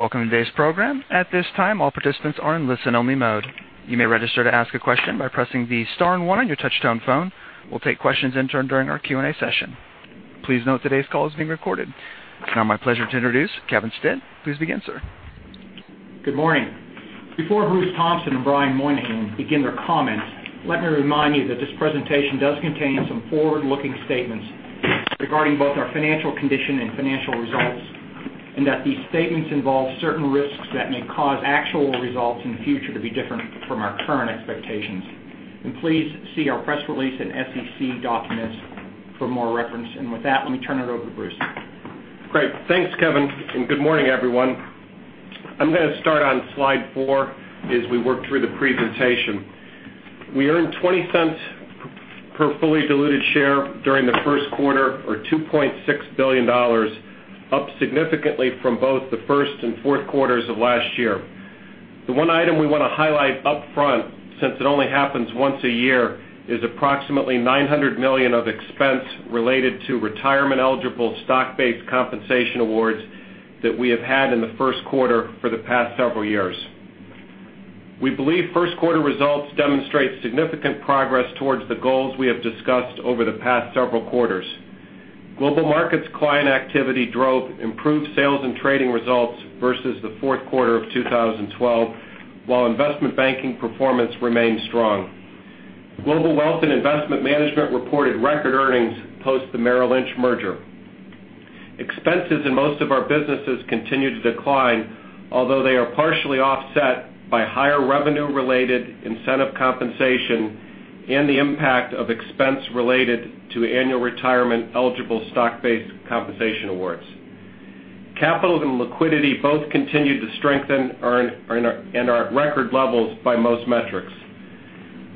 Welcome to today's program. At this time, all participants are in listen-only mode. You may register to ask a question by pressing the star and one on your touch-tone phone. We'll take questions in turn during our Q&A session. Please note today's call is being recorded. It is now my pleasure to introduce Kevin Stitt. Please begin, sir. Good morning. Before Bruce Thompson and Brian Moynihan begin their comments, let me remind you that this presentation does contain some forward-looking statements regarding both our financial condition and financial results, and that these statements involve certain risks that may cause actual results in the future to be different from our current expectations. Please see our press release and SEC documents for more reference. With that, let me turn it over to Bruce. Great. Thanks, Kevin, and good morning, everyone. I'm going to start on slide four as we work through the presentation. We earned $0.20 per fully diluted share during the first quarter, or $2.6 billion, up significantly from both the first and fourth quarters of last year. The one item we want to highlight up front, since it only happens once a year, is approximately $900 million of expense related to retirement-eligible stock-based compensation awards that we have had in the first quarter for the past several years. We believe first quarter results demonstrate significant progress towards the goals we have discussed over the past several quarters. Global Markets client activity drove improved sales and trading results versus the fourth quarter of 2012, while investment banking performance remained strong. Global Wealth and Investment Management reported record earnings post the Merrill Lynch merger. Expenses in most of our businesses continue to decline, although they are partially offset by higher revenue-related incentive compensation and the impact of expense related to annual retirement-eligible stock-based compensation awards. Capital and liquidity both continued to strengthen and are at record levels by most metrics.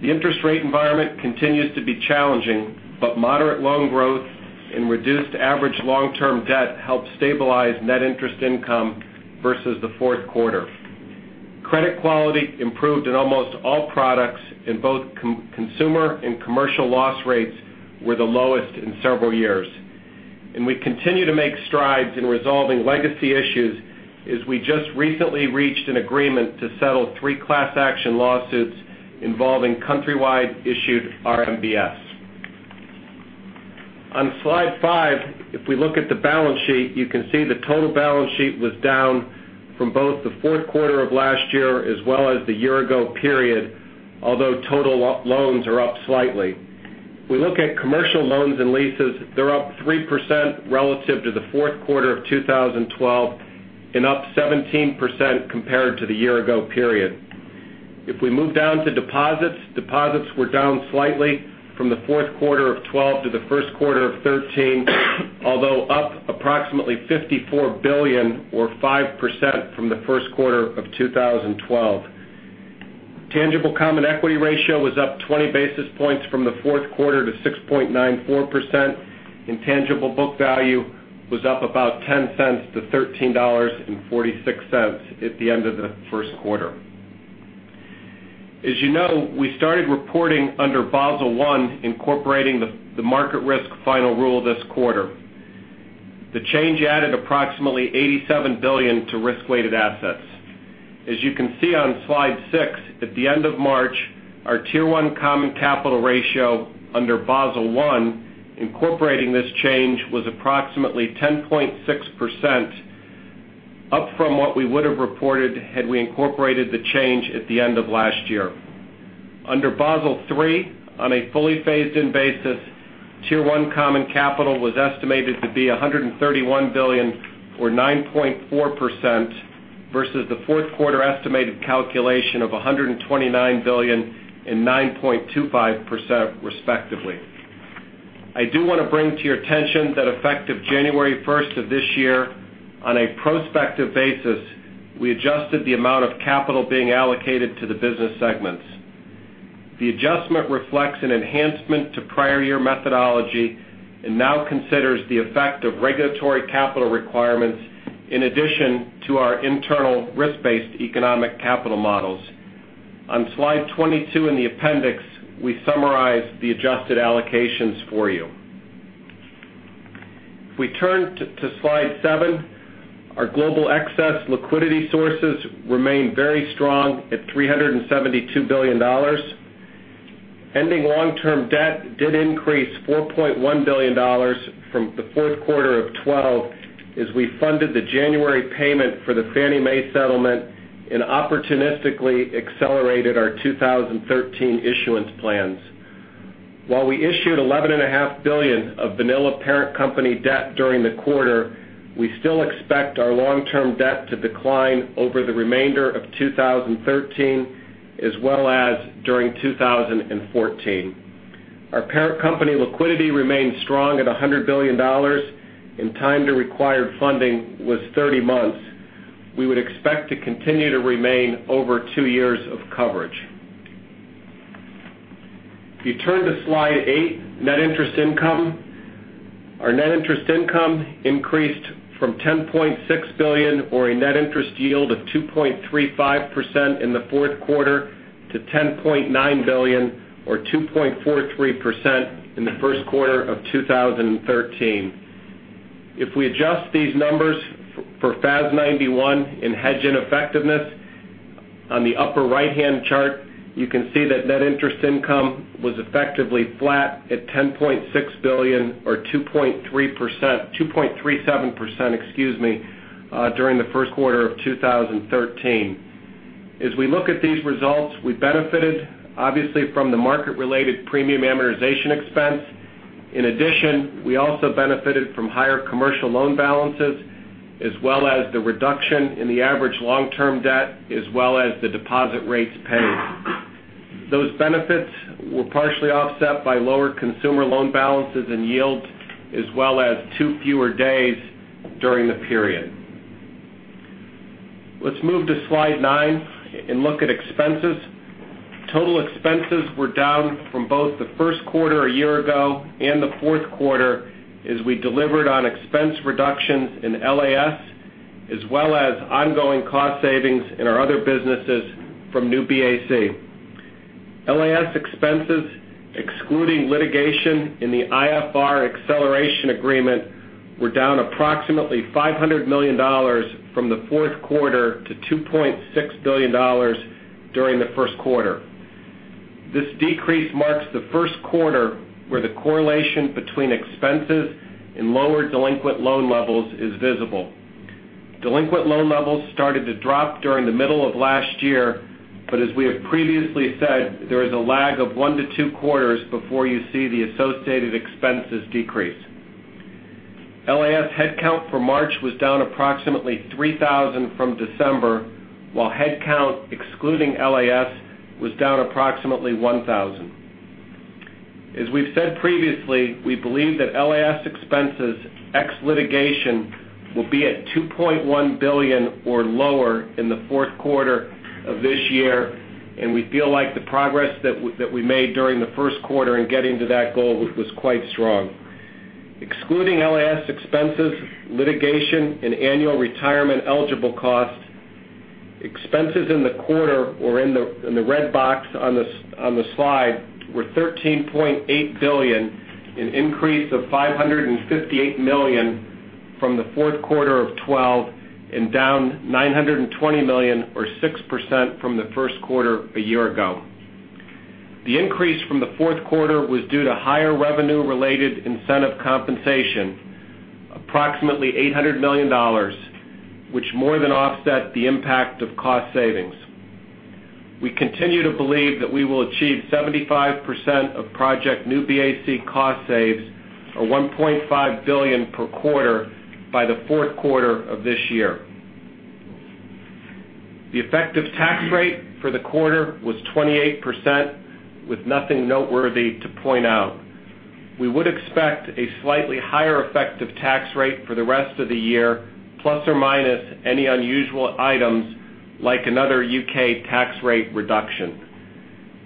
The interest rate environment continues to be challenging. Moderate loan growth and reduced average long-term debt helped stabilize net interest income versus the fourth quarter. Credit quality improved in almost all products, and both consumer and commercial loss rates were the lowest in several years. We continue to make strides in resolving legacy issues as we just recently reached an agreement to settle three class action lawsuits involving Countrywide-issued RMBS. On slide five, if we look at the balance sheet, you can see the total balance sheet was down from both the fourth quarter of last year as well as the year-ago period, although total loans are up slightly. If we look at commercial loans and leases, they're up 3% relative to the fourth quarter of 2012 and up 17% compared to the year-ago period. If we move down to deposits were down slightly from the fourth quarter of 2012 to the first quarter of 2013, although up approximately $54 billion or 5% from the first quarter of 2012. Tangible common equity ratio was up 20 basis points from the fourth quarter to 6.94%, and tangible book value was up about $0.10 to $13.46 at the end of the first quarter. As you know, we started reporting under Basel I, incorporating the market risk final rule this quarter. The change added approximately $87 billion to risk-weighted assets. As you can see on slide six, at the end of March, our Tier 1 common capital ratio under Basel I, incorporating this change, was approximately 10.6%, up from what we would have reported had we incorporated the change at the end of last year. Under Basel III, on a fully phased-in basis, Tier 1 common capital was estimated to be $131 billion or 9.4%, versus the fourth quarter estimated calculation of $129 billion and 9.25%, respectively. I do want to bring to your attention that effective January 1st of this year, on a prospective basis, we adjusted the amount of capital being allocated to the business segments. The adjustment reflects an enhancement to prior year methodology and now considers the effect of regulatory capital requirements in addition to our internal risk-based economic capital models. On slide 22 in the appendix, we summarize the adjusted allocations for you. If we turn to slide seven, our global excess liquidity sources remain very strong at $372 billion. Ending long-term debt did increase $4.1 billion from the fourth quarter of 2012 as we funded the January payment for the Fannie Mae settlement and opportunistically accelerated our 2013 issuance plans. While we issued $11.5 billion of vanilla parent company debt during the quarter, we still expect our long-term debt to decline over the remainder of 2013 as well as during 2014. Our parent company liquidity remains strong at $100 billion, and time to required funding was 30 months. We would expect to continue to remain over two years of coverage. If you turn to slide eight, net interest income. Our net interest income increased from $10.6 billion, or a net interest yield of 2.35% in the fourth quarter, to $10.9 billion or 2.43% in the first quarter of 2013. If we adjust these numbers for FAS 91 and hedge ineffectiveness, on the upper right-hand chart, you can see that net interest income was effectively flat at $10.6 billion or 2.37% during the first quarter of 2013. As we look at these results, we benefited obviously from the market-related premium amortization expense. In addition, we also benefited from higher commercial loan balances, as well as the reduction in the average long-term debt, as well as the deposit rates paid. Those benefits were partially offset by lower consumer loan balances and yields, as well as two fewer days during the period. Let's move to Slide 9 and look at expenses. Total expenses were down from both the first quarter a year ago and the fourth quarter as we delivered on expense reductions in LAS, as well as ongoing cost savings in our other businesses from Project New BAC. LAS expenses, excluding litigation in the IFR acceleration agreement, were down approximately $500 million from the fourth quarter to $2.6 billion during the first quarter. This decrease marks the first quarter where the correlation between expenses and lower delinquent loan levels is visible. Delinquent loan levels started to drop during the middle of last year, but as we have previously said, there is a lag of 1 to 2 quarters before you see the associated expenses decrease. LAS headcount for March was down approximately 3,000 from December, while headcount excluding LAS was down approximately 1,000. We've said previously, we believe that LAS expenses ex litigation will be at $2.1 billion or lower in the fourth quarter of this year, and we feel like the progress that we made during the first quarter in getting to that goal was quite strong. Excluding LAS expenses, litigation, and annual retirement eligible costs, expenses in the quarter or in the red box on the slide were $13.8 billion, an increase of $558 million from the fourth quarter of 2012 and down $920 million or 6% from the first quarter a year ago. The increase from the fourth quarter was due to higher revenue-related incentive compensation, approximately $800 million, which more than offset the impact of cost savings. We continue to believe that we will achieve 75% of Project New BAC cost saves, or $1.5 billion per quarter, by the fourth quarter of this year. The effective tax rate for the quarter was 28%, with nothing noteworthy to point out. We would expect a slightly higher effective tax rate for the rest of the year, plus or minus any unusual items like another U.K. tax rate reduction.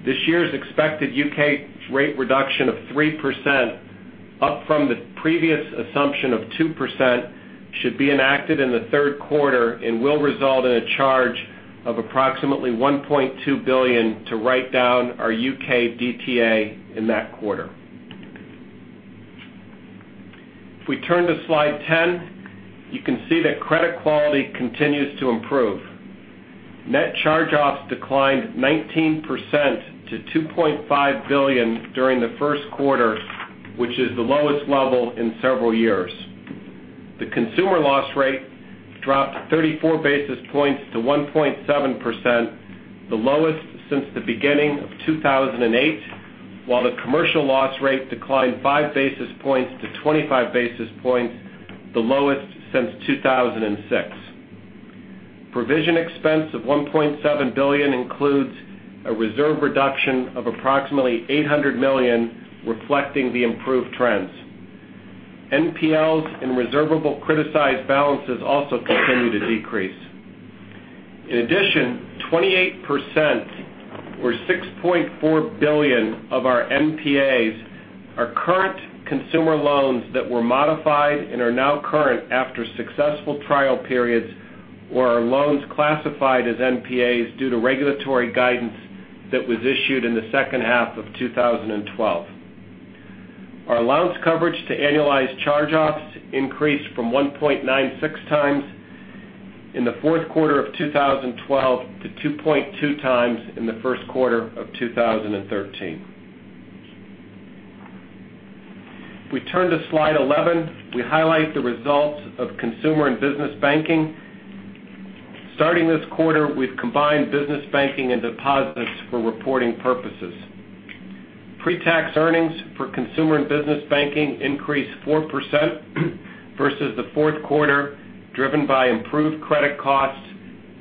This year's expected U.K. rate reduction of 3%, up from the previous assumption of 2%, should be enacted in the third quarter and will result in a charge of approximately $1.2 billion to write down our U.K. DTA in that quarter. If we turn to Slide 10, you can see that credit quality continues to improve. Net charge-offs declined 19% to $2.5 billion during the first quarter, which is the lowest level in several years. The consumer loss rate dropped 34 basis points to 1.7%, the lowest since the beginning of 2008, while the commercial loss rate declined five basis points to 25 basis points, the lowest since 2006. Provision expense of $1.7 billion includes a reserve reduction of approximately $800 million, reflecting the improved trends. NPLs and reservable criticized balances also continue to decrease. In addition, 28%, or $6.4 billion of our NPAs are current consumer loans that were modified and are now current after successful trial periods or are loans classified as NPAs due to regulatory guidance that was issued in the second half of 2012. Our allowance coverage to annualized charge-offs increased from 1.96 times in the fourth quarter of 2012 to 2.2 times in the first quarter of 2013. If we turn to Slide 11, we highlight the results of Consumer & Business Banking. Starting this quarter, we've combined business banking and deposits for reporting purposes. Pre-tax earnings for Consumer & Business Banking increased 4% versus the fourth quarter, driven by improved credit costs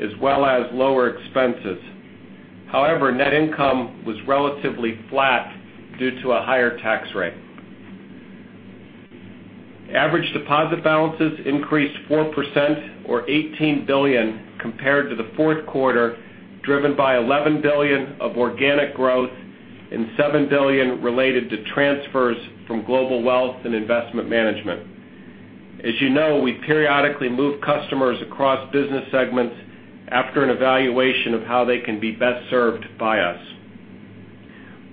as well as lower expenses. However, net income was relatively flat due to a higher tax rate. Average deposit balances increased 4%, or $18 billion, compared to the fourth quarter, driven by $11 billion of organic growth and $7 billion related to transfers from Global Wealth and Investment Management. As you know, we periodically move customers across business segments after an evaluation of how they can be best served by us.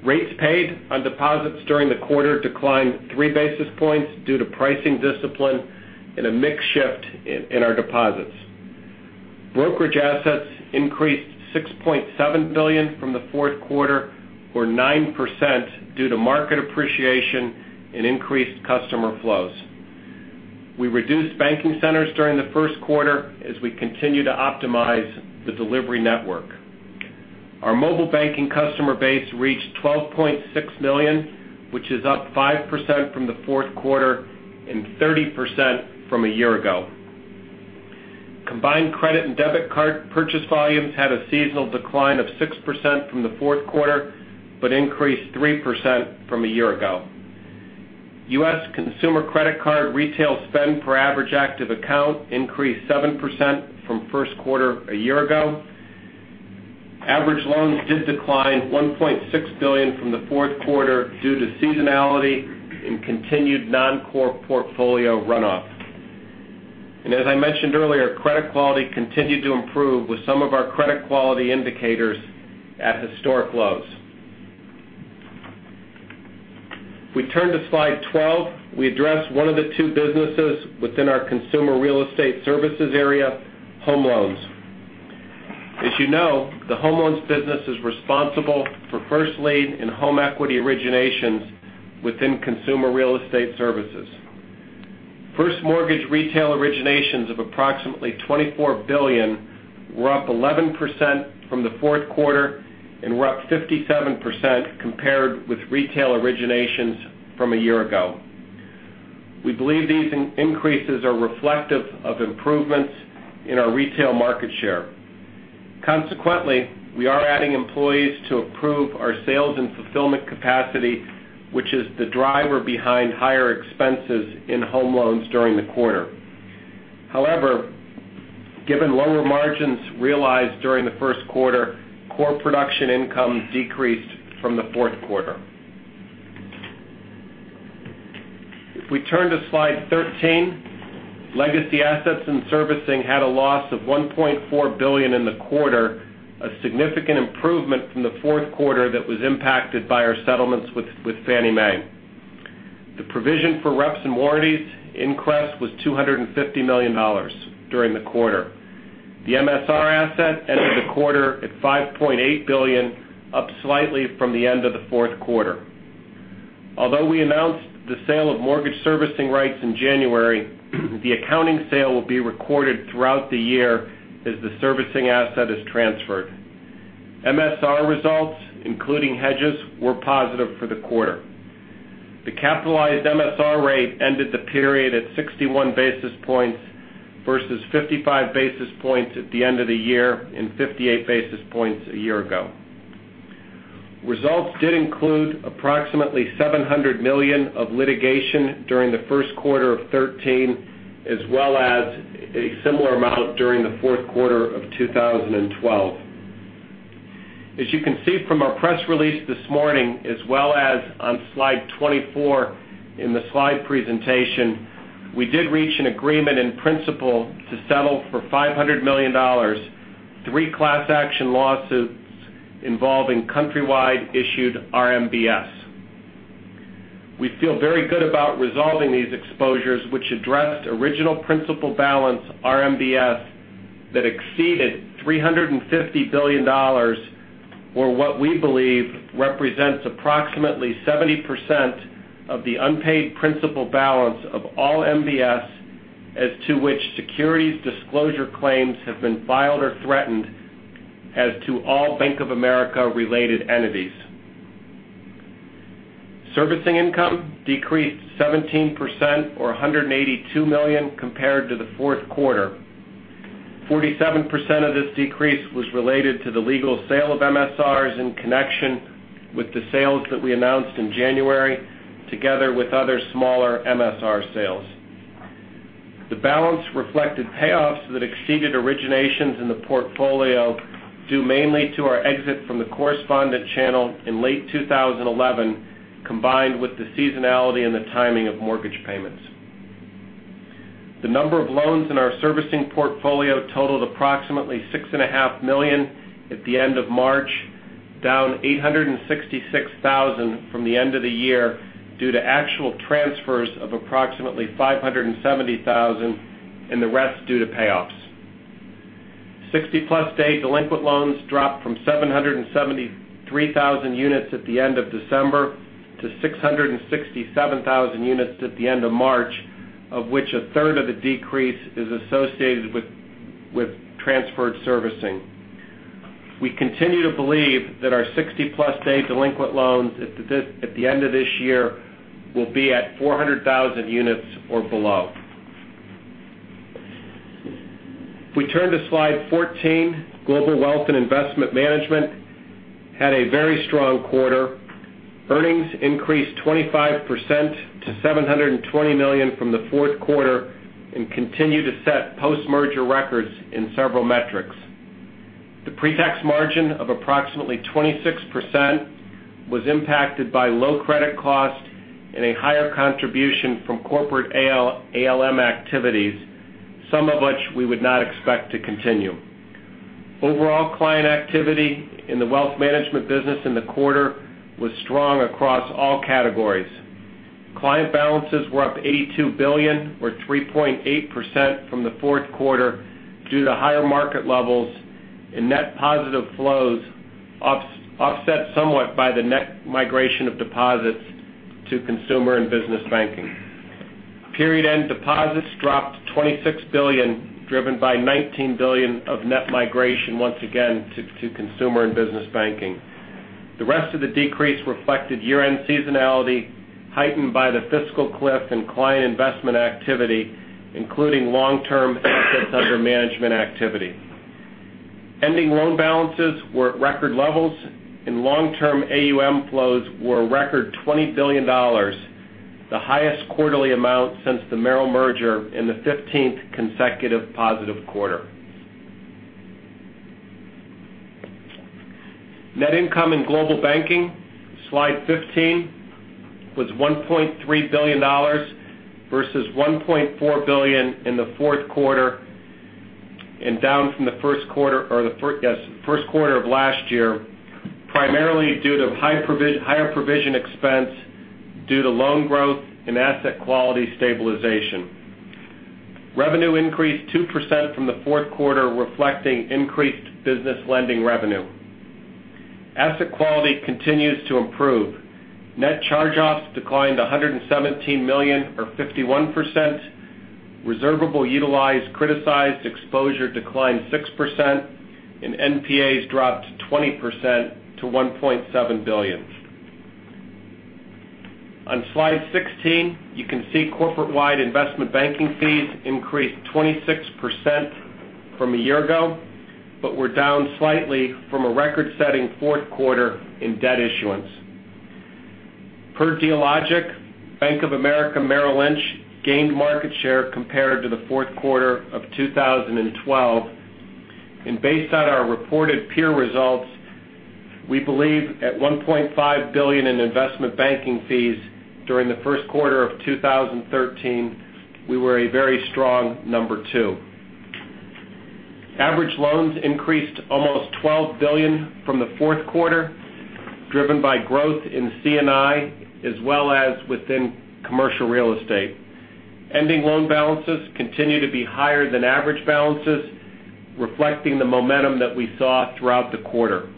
Rates paid on deposits during the quarter declined three basis points due to pricing discipline and a mix shift in our deposits. Brokerage assets increased $6.7 billion from the fourth quarter, or 9%, due to market appreciation and increased customer flows. We reduced banking centers during the first quarter as we continue to optimize the delivery network. Our mobile banking customer base reached 12.6 million, which is up 5% from the fourth quarter and 30% from a year ago. U.S. consumer credit card retail spend per average active account increased 7% from first quarter a year ago. Average loans did decline $1.6 billion from the fourth quarter due to seasonality and continued non-core portfolio runoff. As I mentioned earlier, credit quality continued to improve with some of our credit quality indicators at historic lows. If we turn to slide 12, we address one of the two businesses within our Consumer Real Estate Services area, home loans. As you know, the home loans business is responsible for first lien in home equity originations within Consumer Real Estate Services. First mortgage retail originations of approximately $24 billion were up 11% from the fourth quarter and were up 57% compared with retail originations from a year ago. We believe these increases are reflective of improvements in our retail market share. Consequently, we are adding employees to improve our sales and fulfillment capacity, which is the driver behind higher expenses in home loans during the quarter. However, given lower margins realized during the first quarter, core production income decreased from the fourth quarter. If we turn to slide 13, legacy assets and servicing had a loss of $1.4 billion in the quarter, a significant improvement from the fourth quarter that was impacted by our settlements with Fannie Mae. The provision for reps and warranties in CRES was $250 million during the quarter. The MSR asset ended the quarter at $5.8 billion, up slightly from the end of the fourth quarter. Although we announced the sale of mortgage servicing rights in January, the accounting sale will be recorded throughout the year as the servicing asset is transferred. MSR results, including hedges, were positive for the quarter. The capitalized MSR rate ended the period at 61 basis points, versus 55 basis points at the end of the year and 58 basis points a year ago. Results did include approximately $700 million of litigation during the first quarter of 2013, as well as a similar amount during the fourth quarter of 2012. As you can see from our press release this morning, as well as on slide 24 in the slide presentation, we did reach an agreement in principle to settle for $500 million, three class action lawsuits involving Countrywide-issued RMBS. We feel very good about resolving these exposures, which addressed original principal balance RMBS that exceeded $350 billion, or what we believe represents approximately 70% of the unpaid principal balance of all MBS as to which securities disclosure claims have been filed or threatened as to all Bank of America-related entities. Servicing income decreased 17%, or $182 million compared to the fourth quarter. 47% of this decrease was related to the legal sale of MSRs in connection with the sales that we announced in January, together with other smaller MSR sales. The balance reflected payoffs that exceeded originations in the portfolio, due mainly to our exit from the correspondent channel in late 2011, combined with the seasonality and the timing of mortgage payments. The number of loans in our servicing portfolio totaled approximately 6.5 million at the end of March, down 866,000 from the end of the year due to actual transfers of approximately 570,000, and the rest due to payoffs. 60-plus day delinquent loans dropped from 773,000 units at the end of December to 667,000 units at the end of March, of which a third of the decrease is associated with transferred servicing. We continue to believe that our 60-plus day delinquent loans at the end of this year will be at 400,000 units or below. If we turn to slide 14, Global Wealth and Investment Management had a very strong quarter. Earnings increased 25% to $720 million from the fourth quarter and continue to set post-merger records in several metrics. The pre-tax margin of approximately 26% was impacted by low credit cost and a higher contribution from corporate ALM activities, some of which we would not expect to continue. Overall client activity in the wealth management business in the quarter was strong across all categories. Client balances were up $82 billion, or 3.8% from the fourth quarter, due to higher market levels and net positive flows, offset somewhat by the net migration of deposits to Consumer & Business Banking. Period-end deposits dropped to $26 billion, driven by $19 billion of net migration, once again to Consumer & Business Banking. The rest of the decrease reflected year-end seasonality, heightened by the fiscal cliff and client investment activity, including long-term assets under management activity. Ending loan balances were at record levels, and long-term AUM flows were a record $20 billion, the highest quarterly amount since the Merrill merger and the 15th consecutive positive quarter. Net income in Global Banking, slide 15, was $1.3 billion versus $1.4 billion in the fourth quarter and down from the first quarter of last year, primarily due to higher provision expense due to loan growth and asset quality stabilization. Revenue increased 2% from the fourth quarter, reflecting increased business lending revenue. Asset quality continues to improve. Net charge-offs declined to $117 million or 51%. Reservable utilized criticized exposure declined 6%, and NPAs dropped 20% to $1.7 billion. On slide 16, you can see corporate-wide investment banking fees increased 26% from a year ago, but were down slightly from a record-setting fourth quarter in debt issuance. Per Dealogic, Bank of America Merrill Lynch gained market share compared to the fourth quarter of 2012, and based on our reported peer results, we believe at $1.5 billion in investment banking fees during the first quarter of 2013, we were a very strong number two. Average loans increased to almost $12 billion from the fourth quarter, driven by growth in C&I as well as within commercial real estate. Ending loan balances continue to be higher than average balances, reflecting the momentum that we saw throughout the quarter.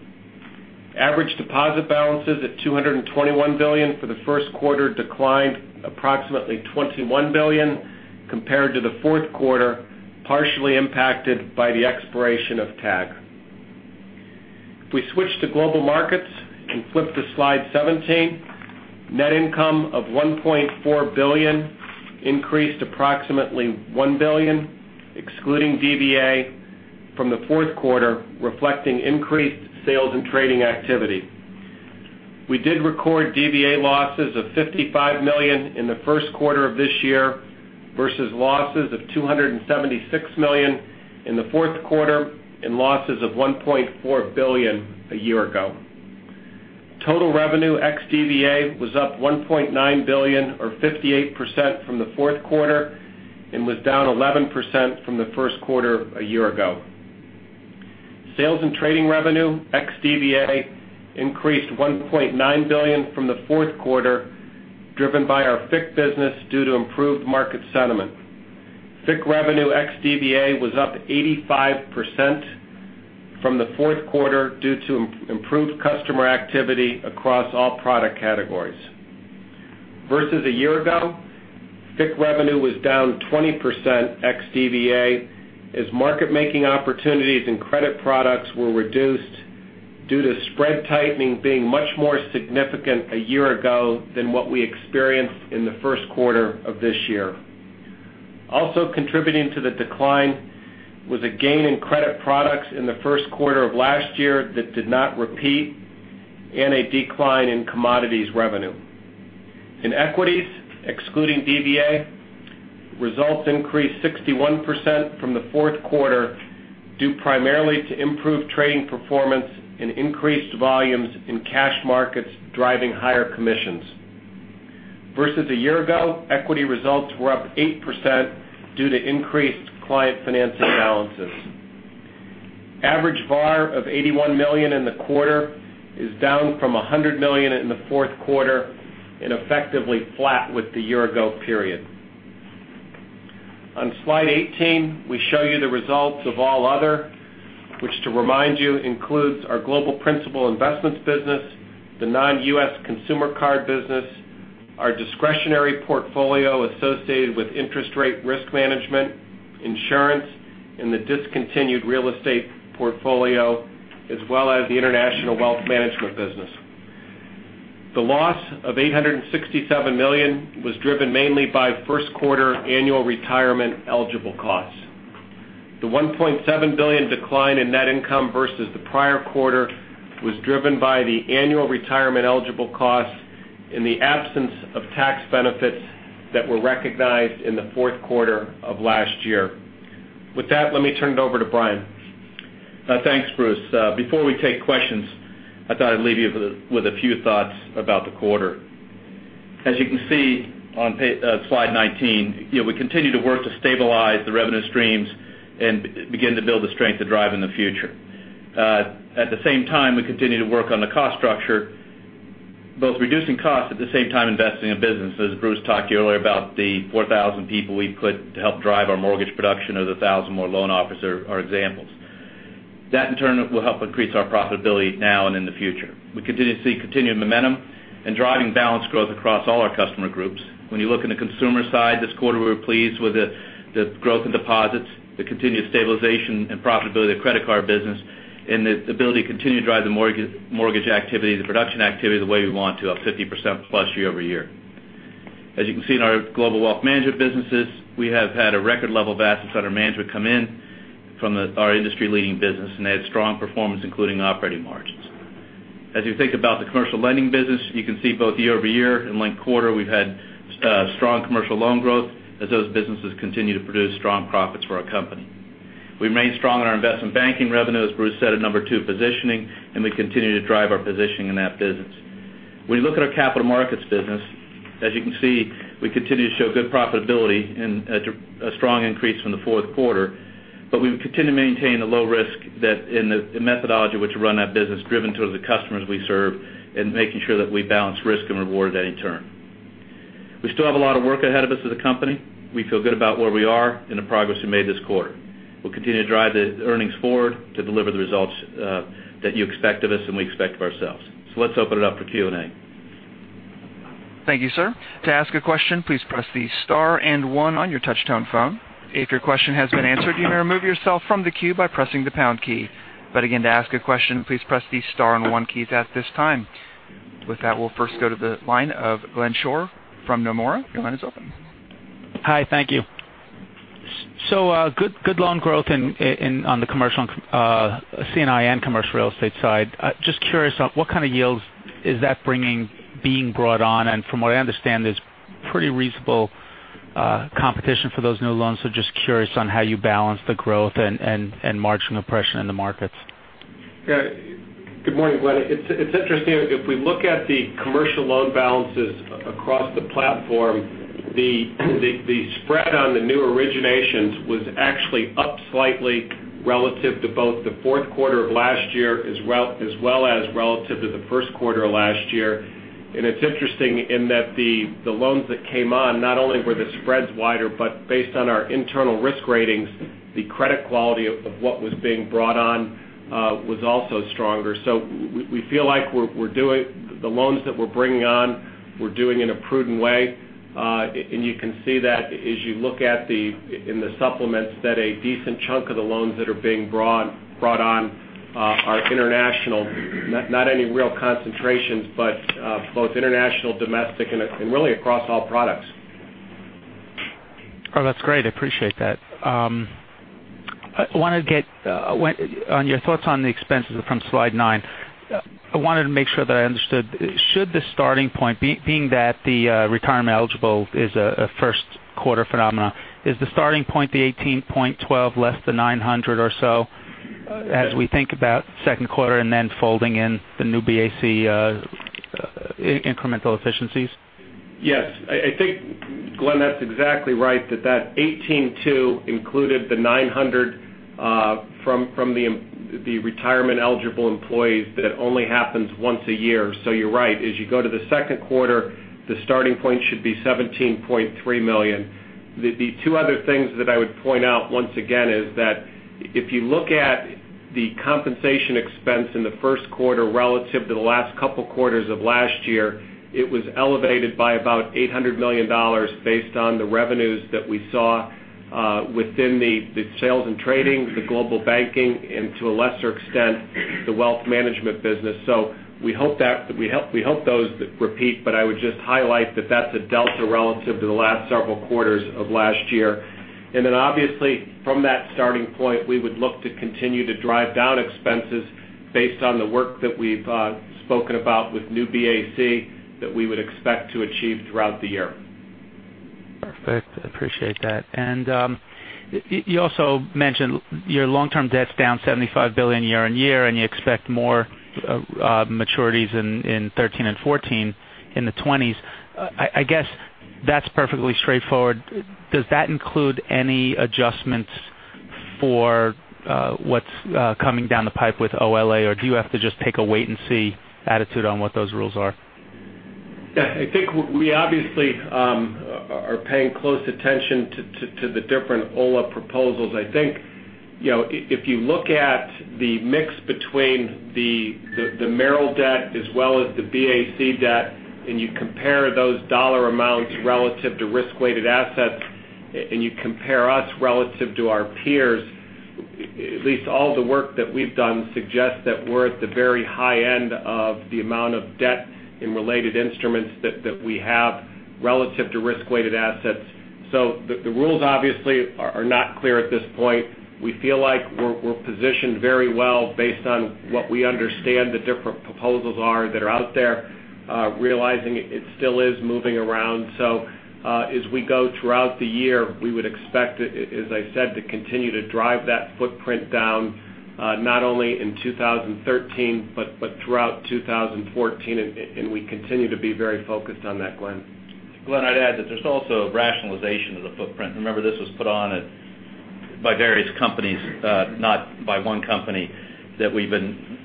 Average deposit balances at $221 billion for the first quarter declined approximately $21 billion compared to the fourth quarter, partially impacted by the expiration of TAG. If we switch to Global Markets and flip to slide 17, net income of $1.4 billion increased approximately $1 billion, excluding DVA from the fourth quarter, reflecting increased sales and trading activity. We did record DVA losses of $55 million in the first quarter of this year versus losses of $276 million in the fourth quarter and losses of $1.4 billion a year ago. Total revenue ex-DVA was up $1.9 billion or 58% from the fourth quarter and was down 11% from the first quarter a year ago. Sales and trading revenue, ex-DVA, increased $1.9 billion from the fourth quarter, driven by our FICC business due to improved market sentiment. FICC revenue ex-DVA was up 85% from the fourth quarter due to improved customer activity across all product categories. Versus a year ago, FICC revenue was down 20% ex-DVA as market-making opportunities and credit products were reduced due to spread tightening being much more significant a year ago than what we experienced in the first quarter of this year. Also contributing to the decline was a gain in credit products in the first quarter of last year that did not repeat and a decline in commodities revenue. In equities, excluding DVA, results increased 61% from the fourth quarter, due primarily to improved trading performance and increased volumes in cash markets driving higher commissions. Versus a year ago, equity results were up 8% due to increased client financing balances. Average VaR of $81 million in the quarter is down from $100 million in the fourth quarter and effectively flat with the year-ago period. On slide 18, we show you the results of All Other, which to remind you, includes our Global Principal Investments business, the non-U.S. consumer card business, our discretionary portfolio associated with interest rate risk management, insurance, and the discontinued real estate portfolio, as well as the International Wealth Management business. The loss of $867 million was driven mainly by first-quarter annual retirement eligible costs. The $1.7 billion decline in net income versus the prior quarter was driven by the annual retirement eligible costs and the absence of tax benefits that were recognized in the fourth quarter of last year. With that, let me turn it over to Brian. Thanks, Bruce. Before we take questions, I thought I'd leave you with a few thoughts about the quarter. As you can see on slide 19, we continue to work to stabilize the revenue streams and begin to build the strength to drive in the future. At the same time, we continue to work on the cost structure, both reducing costs, at the same time, investing in businesses. Bruce talked to you earlier about the 4,000 people we put to help drive our mortgage production or the 1,000 more loan officers are examples. That, in turn, will help increase our profitability now and in the future. We continue to see continued momentum and driving balance growth across all our customer groups. When you look in the consumer side, this quarter, we were pleased with the growth in deposits, the continued stabilization and profitability of credit card business, and the ability to continue to drive the mortgage activity, the production activity the way we want to, up 50% plus year-over-year. As you can see in our Global Wealth Management businesses, we have had a record level of assets under management come in from our industry-leading business, and they had strong performance, including operating margins. As you think about the commercial lending business, you can see both year-over-year and linked quarter, we've had strong commercial loan growth as those businesses continue to produce strong profits for our company. We remain strong in our investment banking revenues. Bruce said a number 2 positioning, and we continue to drive our positioning in that business. When you look at our capital markets business, as you can see, we continue to show good profitability and a strong increase from the fourth quarter. We continue to maintain a low risk that in the methodology we run that business, driven by the customers we serve, and making sure that we balance risk and reward at any turn. We still have a lot of work ahead of us as a company. We feel good about where we are and the progress we made this quarter. We'll continue to drive the earnings forward to deliver the results that you expect of us and we expect of ourselves. Let's open it up for Q&A. Thank you, sir. To ask a question, please press the star and one on your touch-tone phone. If your question has been answered, you may remove yourself from the queue by pressing the pound key. Again, to ask a question, please press the star and one keys at this time. With that, we'll first go to the line of Glenn Schorr from Nomura. Your line is open. Hi, thank you. Good loan growth on the C&I and commercial real estate side. Just curious on what kind of yields is that bringing, being brought on? From what I understand, there's pretty reasonable competition for those new loans. Just curious on how you balance the growth and margin oppression in the markets. Good morning, Glenn. It's interesting. If we look at the commercial loan balances across the platform, the spread on the new originations was actually up slightly relative to both the fourth quarter of last year, as well as relative to the first quarter of last year. It's interesting in that the loans that came on, not only were the spreads wider, but based on our internal risk ratings, the credit quality of what was being brought on was also stronger. We feel like the loans that we're bringing on, we're doing in a prudent way. You can see that as you look in the supplements, that a decent chunk of the loans that are being brought on are international. Not any real concentrations, but both international, domestic, and really across all products. Oh, that's great. I appreciate that. I want to get on your thoughts on the expenses from slide nine. I wanted to make sure that I understood. Being that the retirement eligible is a first quarter phenomena, is the starting point the $18.12 less than $900 or so as we think about second quarter and then folding in the new BAC incremental efficiencies? Yes. I think, Glenn, that's exactly right that $18.2 included the $900 from the retirement eligible employees. That only happens once a year. You're right. As you go to the second quarter, the starting point should be $17.3 million. The two other things that I would point out, once again, is that if you look at the compensation expense in the first quarter relative to the last couple quarters of last year, it was elevated by about $800 million based on the revenues that we saw within the sales and trading, the Global Banking, and to a lesser extent, the wealth management business. We hope those repeat, but I would just highlight that that's a delta relative to the last several quarters of last year. Obviously, from that starting point, we would look to continue to drive down expenses based on the work that we've spoken about with Project New BAC that we would expect to achieve throughout the year. Perfect. I appreciate that. You also mentioned your long-term debt's down $75 billion year-over-year, and you expect more maturities in 2013 and 2014 in the 20s. I guess that's perfectly straightforward. Does that include any adjustments for what's coming down the pipe with OLA, or do you have to just take a wait-and-see attitude on what those rules are? I think we obviously are paying close attention to the different OLA proposals. I think if you look at the mix between the Merrill debt as well as the BAC debt, and you compare those dollar amounts relative to risk-weighted assets, and you compare us relative to our peers, at least all the work that we've done suggests that we're at the very high end of the amount of debt in related instruments that we have relative to risk-weighted assets. The rules obviously are not clear at this point. We feel like we're positioned very well based on what we understand the different proposals are that are out there, realizing it still is moving around. As we go throughout the year, we would expect, as I said, to continue to drive that footprint down Not only in 2013 but throughout 2014, we continue to be very focused on that, Glenn. Glenn, I'd add that there's also rationalization of the footprint. Remember, this was put on by various companies, not by one company, that we've been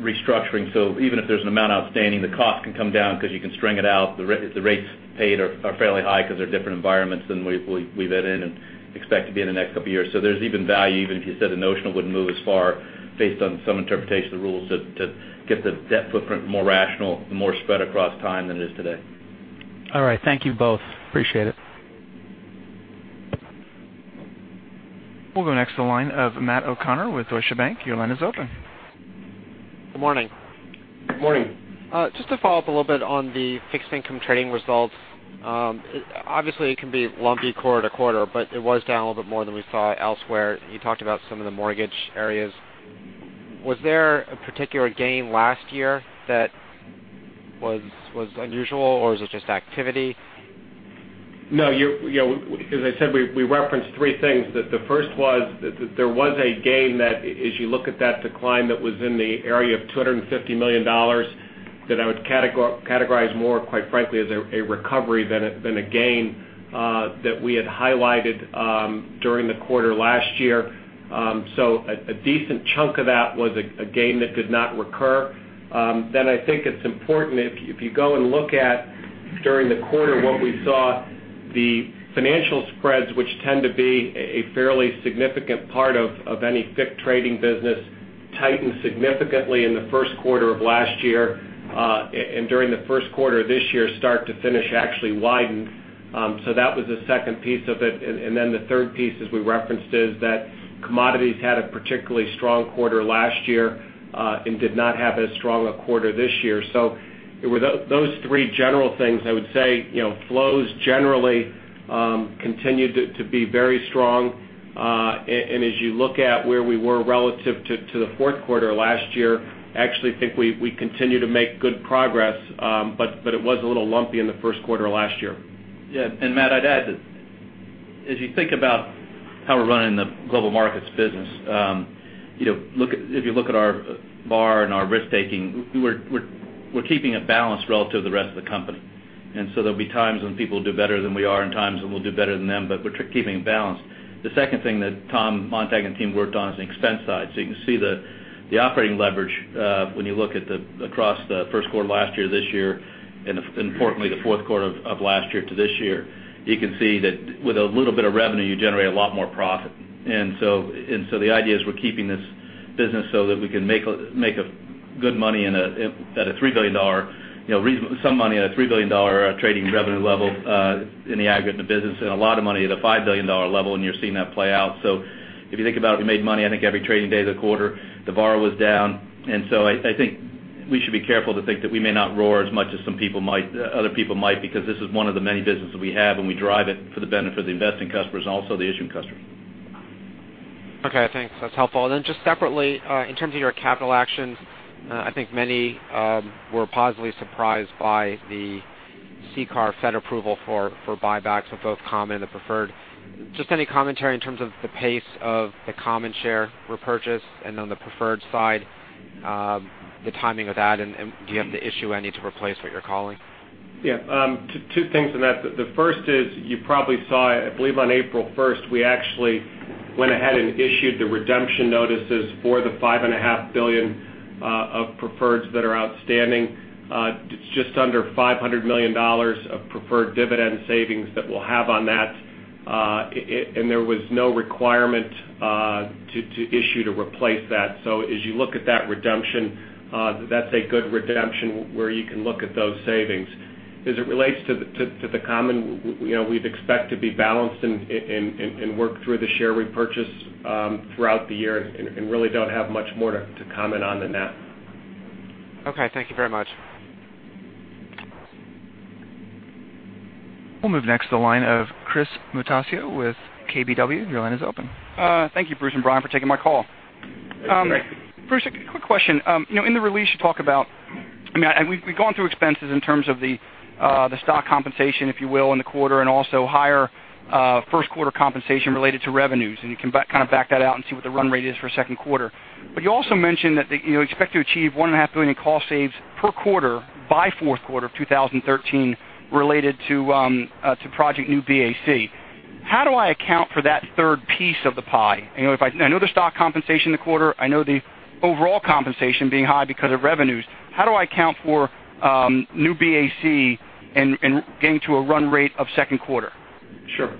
restructuring. Even if there's an amount outstanding, the cost can come down because you can string it out. The rates paid are fairly high because they're different environments than we bid in and expect to be in the next couple of years. There's even value, even if you said the notional wouldn't move as far based on some interpretation of the rules to get the debt footprint more rational and more spread across time than it is today. All right. Thank you both. Appreciate it. We'll go next to the line of Matthew O'Connor with Deutsche Bank. Your line is open. Good morning. Good morning. To follow up a little bit on the fixed income trading results. Obviously, it can be lumpy quarter-to-quarter, but it was down a little bit more than we saw elsewhere. You talked about some of the mortgage areas. Was there a particular gain last year that was unusual, or is it just activity? No. As I said, we referenced three things. The first was that there was a gain that as you look at that decline, that was in the area of $250 million that I would categorize more, quite frankly, as a recovery than a gain that we had highlighted during the quarter last year. A decent chunk of that was a gain that did not recur. I think it's important, if you go and look at during the quarter what we saw, the financial spreads, which tend to be a fairly significant part of any FICC trading business, tightened significantly in the first quarter of last year. During the first quarter this year, start to finish, actually widened. That was the second piece of it. The third piece, as we referenced, is that commodities had a particularly strong quarter last year and did not have as strong a quarter this year. It was those three general things. I would say flows generally continued to be very strong. As you look at where we were relative to the fourth quarter last year, I actually think we continue to make good progress. It was a little lumpy in the first quarter of last year. Yeah. Matt, I'd add that as you think about how we're running the Global Markets business, if you look at our VaR and our risk-taking, we're keeping it balanced relative to the rest of the company. There'll be times when people do better than we are and times when we'll do better than them, but we're keeping it balanced. The second thing that Tom Montag and team worked on is the expense side. You can see the operating leverage when you look across the first quarter last year to this year, and importantly, the fourth quarter of last year to this year. You can see that with a little bit of revenue, you generate a lot more profit. The idea is we're keeping this business so that we can make some money at a $3 billion trading revenue level in the aggregate in the business, and a lot of money at a $5 billion level, and you're seeing that play out. If you think about it, we made money, I think, every trading day of the quarter. The VaR was down. I think we should be careful to think that we may not roar as much as other people might because this is one of the many businesses we have, and we drive it for the benefit of the investing customers and also the issuing customers. Okay. Thanks. That's helpful. Just separately, in terms of your capital actions, I think many were positively surprised by the CCAR Fed approval for buybacks of both common and preferred. Just any commentary in terms of the pace of the common share repurchase and on the preferred side, the timing of that, and do you have to issue any to replace what you're calling? Yeah. Two things on that. The first is you probably saw, I believe, on April 1st, we actually went ahead and issued the redemption notices for the $5.5 billion of preferreds that are outstanding. It's just under $500 million of preferred dividend savings that we'll have on that. There was no requirement to issue to replace that. As you look at that redemption, that's a good redemption where you can look at those savings. As it relates to the common, we'd expect to be balanced and work through the share repurchase throughout the year, and really don't have much more to comment on than that. Okay. Thank you very much. We'll move next to the line of Chris Mutascio with KBW. Your line is open. Thank you, Bruce and Brian, for taking my call. Thanks. Thanks. Bruce, quick question. In the release, we've gone through expenses in terms of the stock compensation, if you will, in the quarter, and also higher first quarter compensation related to revenues. You can back that out and see what the run rate is for second quarter. You also mentioned that you expect to achieve $1.5 billion in cost saves per quarter by fourth quarter of 2013 related to Project New BAC. How do I account for that third piece of the pie? I know the stock compensation in the quarter, I know the overall compensation being high because of revenues. How do I account for New BAC and getting to a run rate of second quarter? Sure.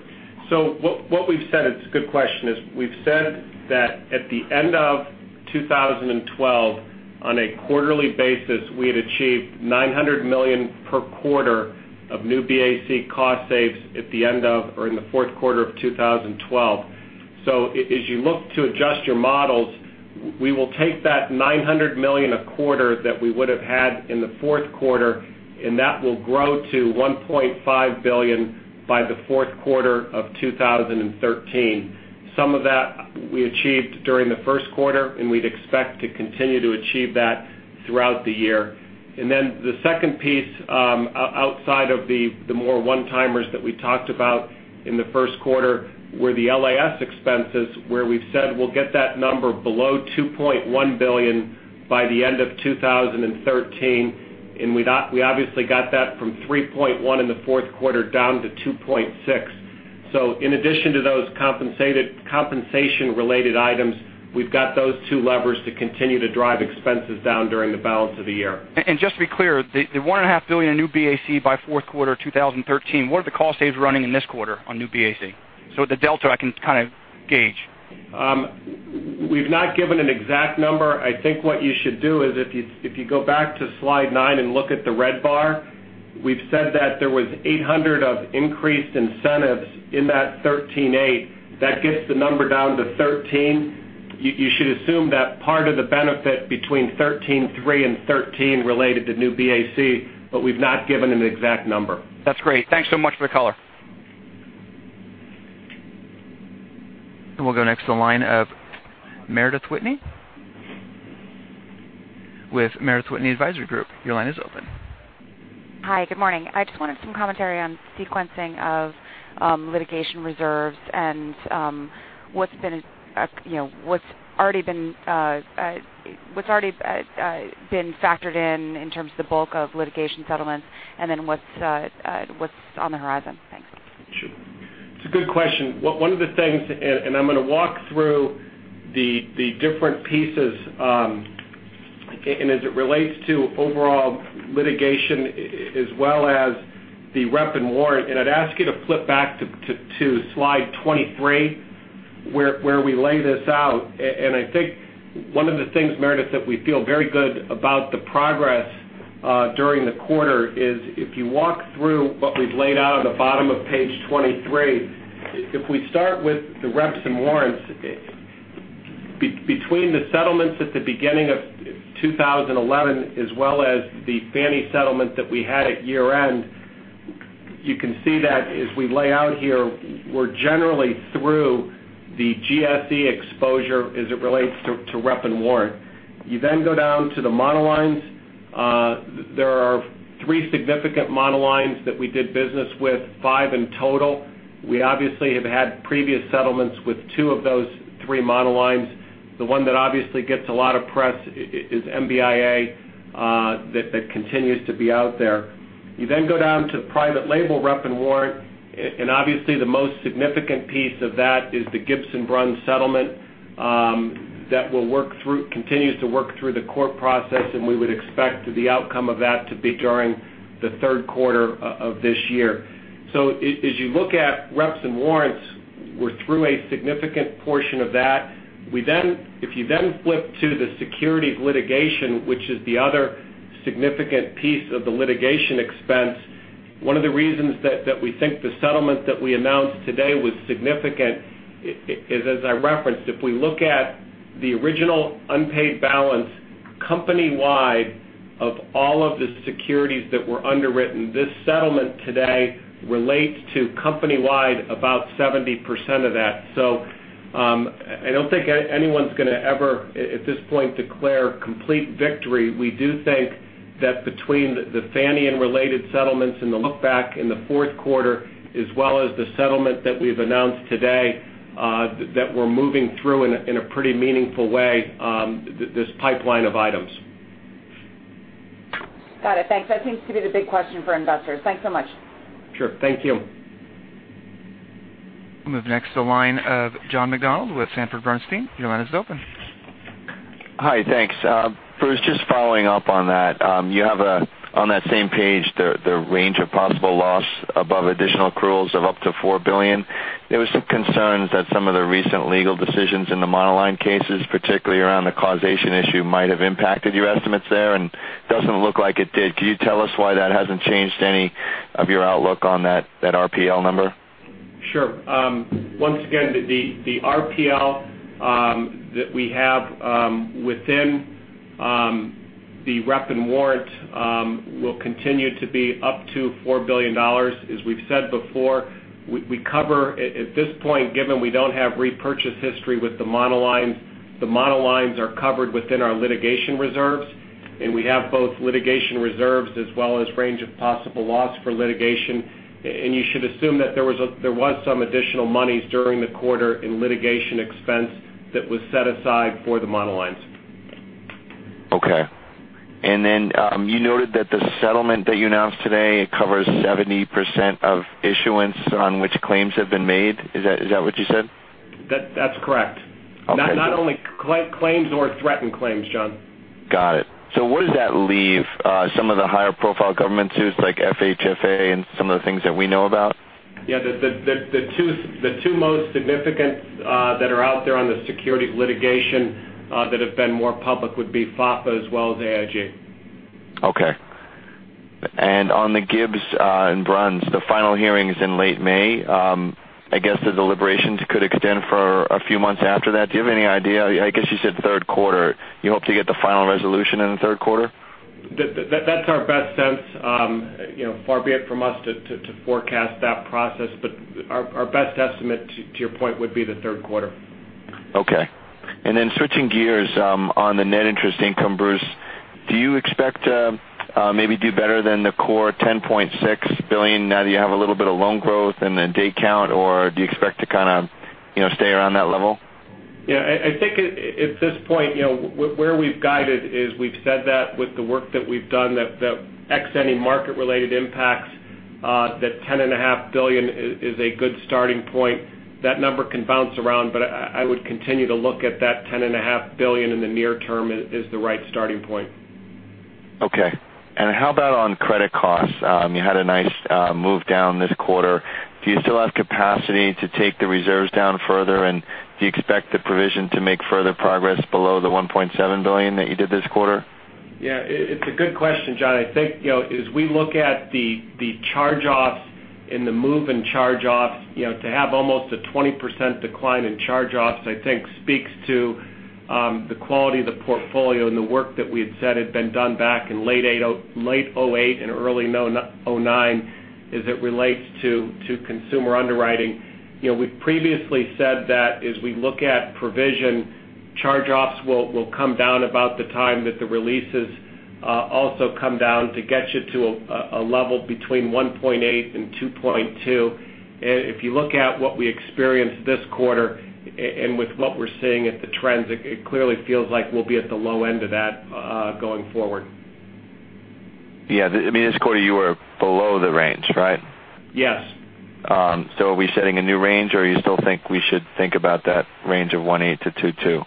It is a good question. We have said that at the end of 2012, on a quarterly basis, we had achieved $900 million per quarter of Project New BAC cost saves at the end of or in the fourth quarter of 2012. As you look to adjust your models, we will take that $900 million a quarter that we would have had in the fourth quarter, and that will grow to $1.5 billion by the fourth quarter of 2013. Some of that we achieved during the first quarter, and we would expect to continue to achieve that throughout the year. The second piece, outside of the more one-timers that we talked about in the first quarter, were the LAS expenses, where we have said we will get that number below $2.1 billion by the end of 2013. We obviously got that from 3.1 in the fourth quarter down to 2.6. In addition to those compensation-related items, we have got those two levers to continue to drive expenses down during the balance of the year. Just to be clear, the $1.5 billion Project New BAC by fourth quarter 2013, what are the cost saves running in this quarter on Project New BAC? The delta I can kind of gauge. We have not given an exact number. I think what you should do is if you go back to slide nine and look at the red bar, we have said that there was 800 of increased incentives in that 13.8. That gets the number down to 13. You should assume that part of the benefit between 13.3 and 13 related to Project New BAC, but we have not given an exact number. That's great. Thanks so much for the color. We'll go next to the line of Meredith Whitney with Meredith Whitney Advisory Group. Your line is open. Hi, good morning. I just wanted some commentary on sequencing of litigation reserves and what's already been factored in in terms of the bulk of litigation settlements, then what's on the horizon. Thanks. Sure. It's a good question. One of the things, I'm going to walk through the different pieces, as it relates to overall litigation as well as the rep and warrant. I'd ask you to flip back to slide 23, where we lay this out. I think one of the things, Meredith, that we feel very good about the progress during the quarter is if you walk through what we've laid out at the bottom of page 23. If we start with the reps and warrants, between the settlements at the beginning of 2011 as well as the Fannie settlement that we had at year-end, you can see that as we lay out here, we're generally through the GSE exposure as it relates to rep and warrant. You then go down to the monolines. There are three significant monolines that we did business with, five in total. We obviously have had previous settlements with two of those three monolines. The one that obviously gets a lot of press is MBIA, that continues to be out there. You then go down to private label rep and warrant, and obviously the most significant piece of that is the Gibbs & Bruns settlement that continues to work through the court process, and we would expect the outcome of that to be during the third quarter of this year. As you look at reps and warrants, we're through a significant portion of that. If you then flip to the securities litigation, which is the other significant piece of the litigation expense, one of the reasons that we think the settlement that we announced today was significant is, as I referenced, if we look at the original unpaid balance company-wide of all of the securities that were underwritten, this settlement today relates to company-wide about 70% of that. I don't think anyone's going to ever, at this point, declare complete victory. We do think that between the Fannie and related settlements in the look back in the fourth quarter as well as the settlement that we've announced today, that we're moving through in a pretty meaningful way, this pipeline of items. Got it. Thanks. That seems to be the big question for investors. Thanks so much. Sure. Thank you. We'll move next to the line of John McDonald with Sanford C. Bernstein. Your line is open. Hi, thanks. Bruce, just following up on that. You have on that same page the range of possible loss above additional accruals of up to $4 billion. There was some concerns that some of the recent legal decisions in the monoline cases, particularly around the causation issue, might have impacted your estimates there, and doesn't look like it did. Can you tell us why that hasn't changed any of your outlook on that RPL number? Sure. Once again, the RPL that we have within the rep and warrant will continue to be up to $4 billion. As we've said before, we cover at this point, given we don't have repurchase history with the monolines, the monolines are covered within our litigation reserves, and we have both litigation reserves as well as range of possible loss for litigation. You should assume that there was some additional monies during the quarter in litigation expense that was set aside for the monolines. Okay. You noted that the settlement that you announced today covers 70% of issuance on which claims have been made. Is that what you said? That's correct. Okay. Not only claims or threatened claims, John. Got it. What does that leave some of the higher profile government suits like FHFA and some of the things that we know about? The two most significant that are out there on the securities litigation that have been more public would be FHFA as well as AIG. Okay. On the Gibbs and Bruns, the final hearing is in late May. I guess the deliberations could extend for a few months after that. Do you have any idea? I guess you said third quarter. You hope to get the final resolution in the third quarter? That's our best sense. Far be it from us to forecast that process, our best estimate, to your point, would be the third quarter. Okay. Switching gears on the net interest income, Bruce, do you expect to maybe do better than the core $10.6 billion now that you have a little bit of loan growth in the day count or do you expect to kind of stay around that level? I think at this point, where we've guided is we've said that with the work that we've done, that ex any market related impacts, that $10.5 billion is a good starting point. That number can bounce around, I would continue to look at that $10.5 billion in the near term as the right starting point. How about on credit costs? You had a nice move down this quarter. Do you still have capacity to take the reserves down further? Do you expect the provision to make further progress below the $1.7 billion that you did this quarter? Yeah. It's a good question, John. I think as we look at the charge-offs and the move in charge-offs, to have almost a 20% decline in charge-offs, I think speaks to the quality of the portfolio and the work that we had said had been done back in late 2008 and early 2009 as it relates to consumer underwriting. We've previously said that as we look at provision, charge-offs will come down about the time that the releases also come down to get you to a level between 1.8 and 2.2. If you look at what we experienced this quarter and with what we're seeing at the trends, it clearly feels like we'll be at the low end of that going forward. Yeah. This quarter you were below the range, right? Yes. Are we setting a new range or you still think we should think about that range of 1.8-2.2?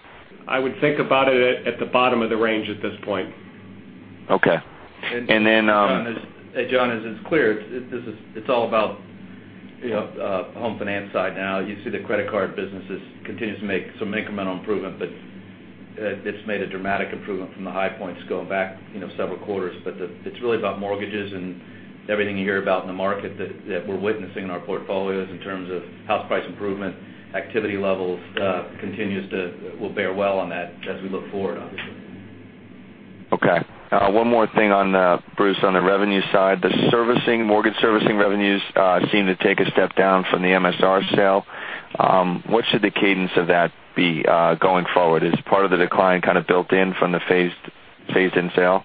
I would think about it at the bottom of the range at this point. Okay. John, as it's clear, it's all about home finance side now. You see the credit card business continues to make some incremental improvement, but it's made a dramatic improvement from the high points going back several quarters. It's really about mortgages and everything you hear about in the market that we're witnessing in our portfolios in terms of house price improvement, activity levels will bear well on that as we look forward, obviously. Okay. One more thing on, Bruce, on the revenue side. The mortgage servicing revenues seem to take a step down from the MSR sale. What should the cadence of that be going forward? Is part of the decline kind of built in from the phased-in sale?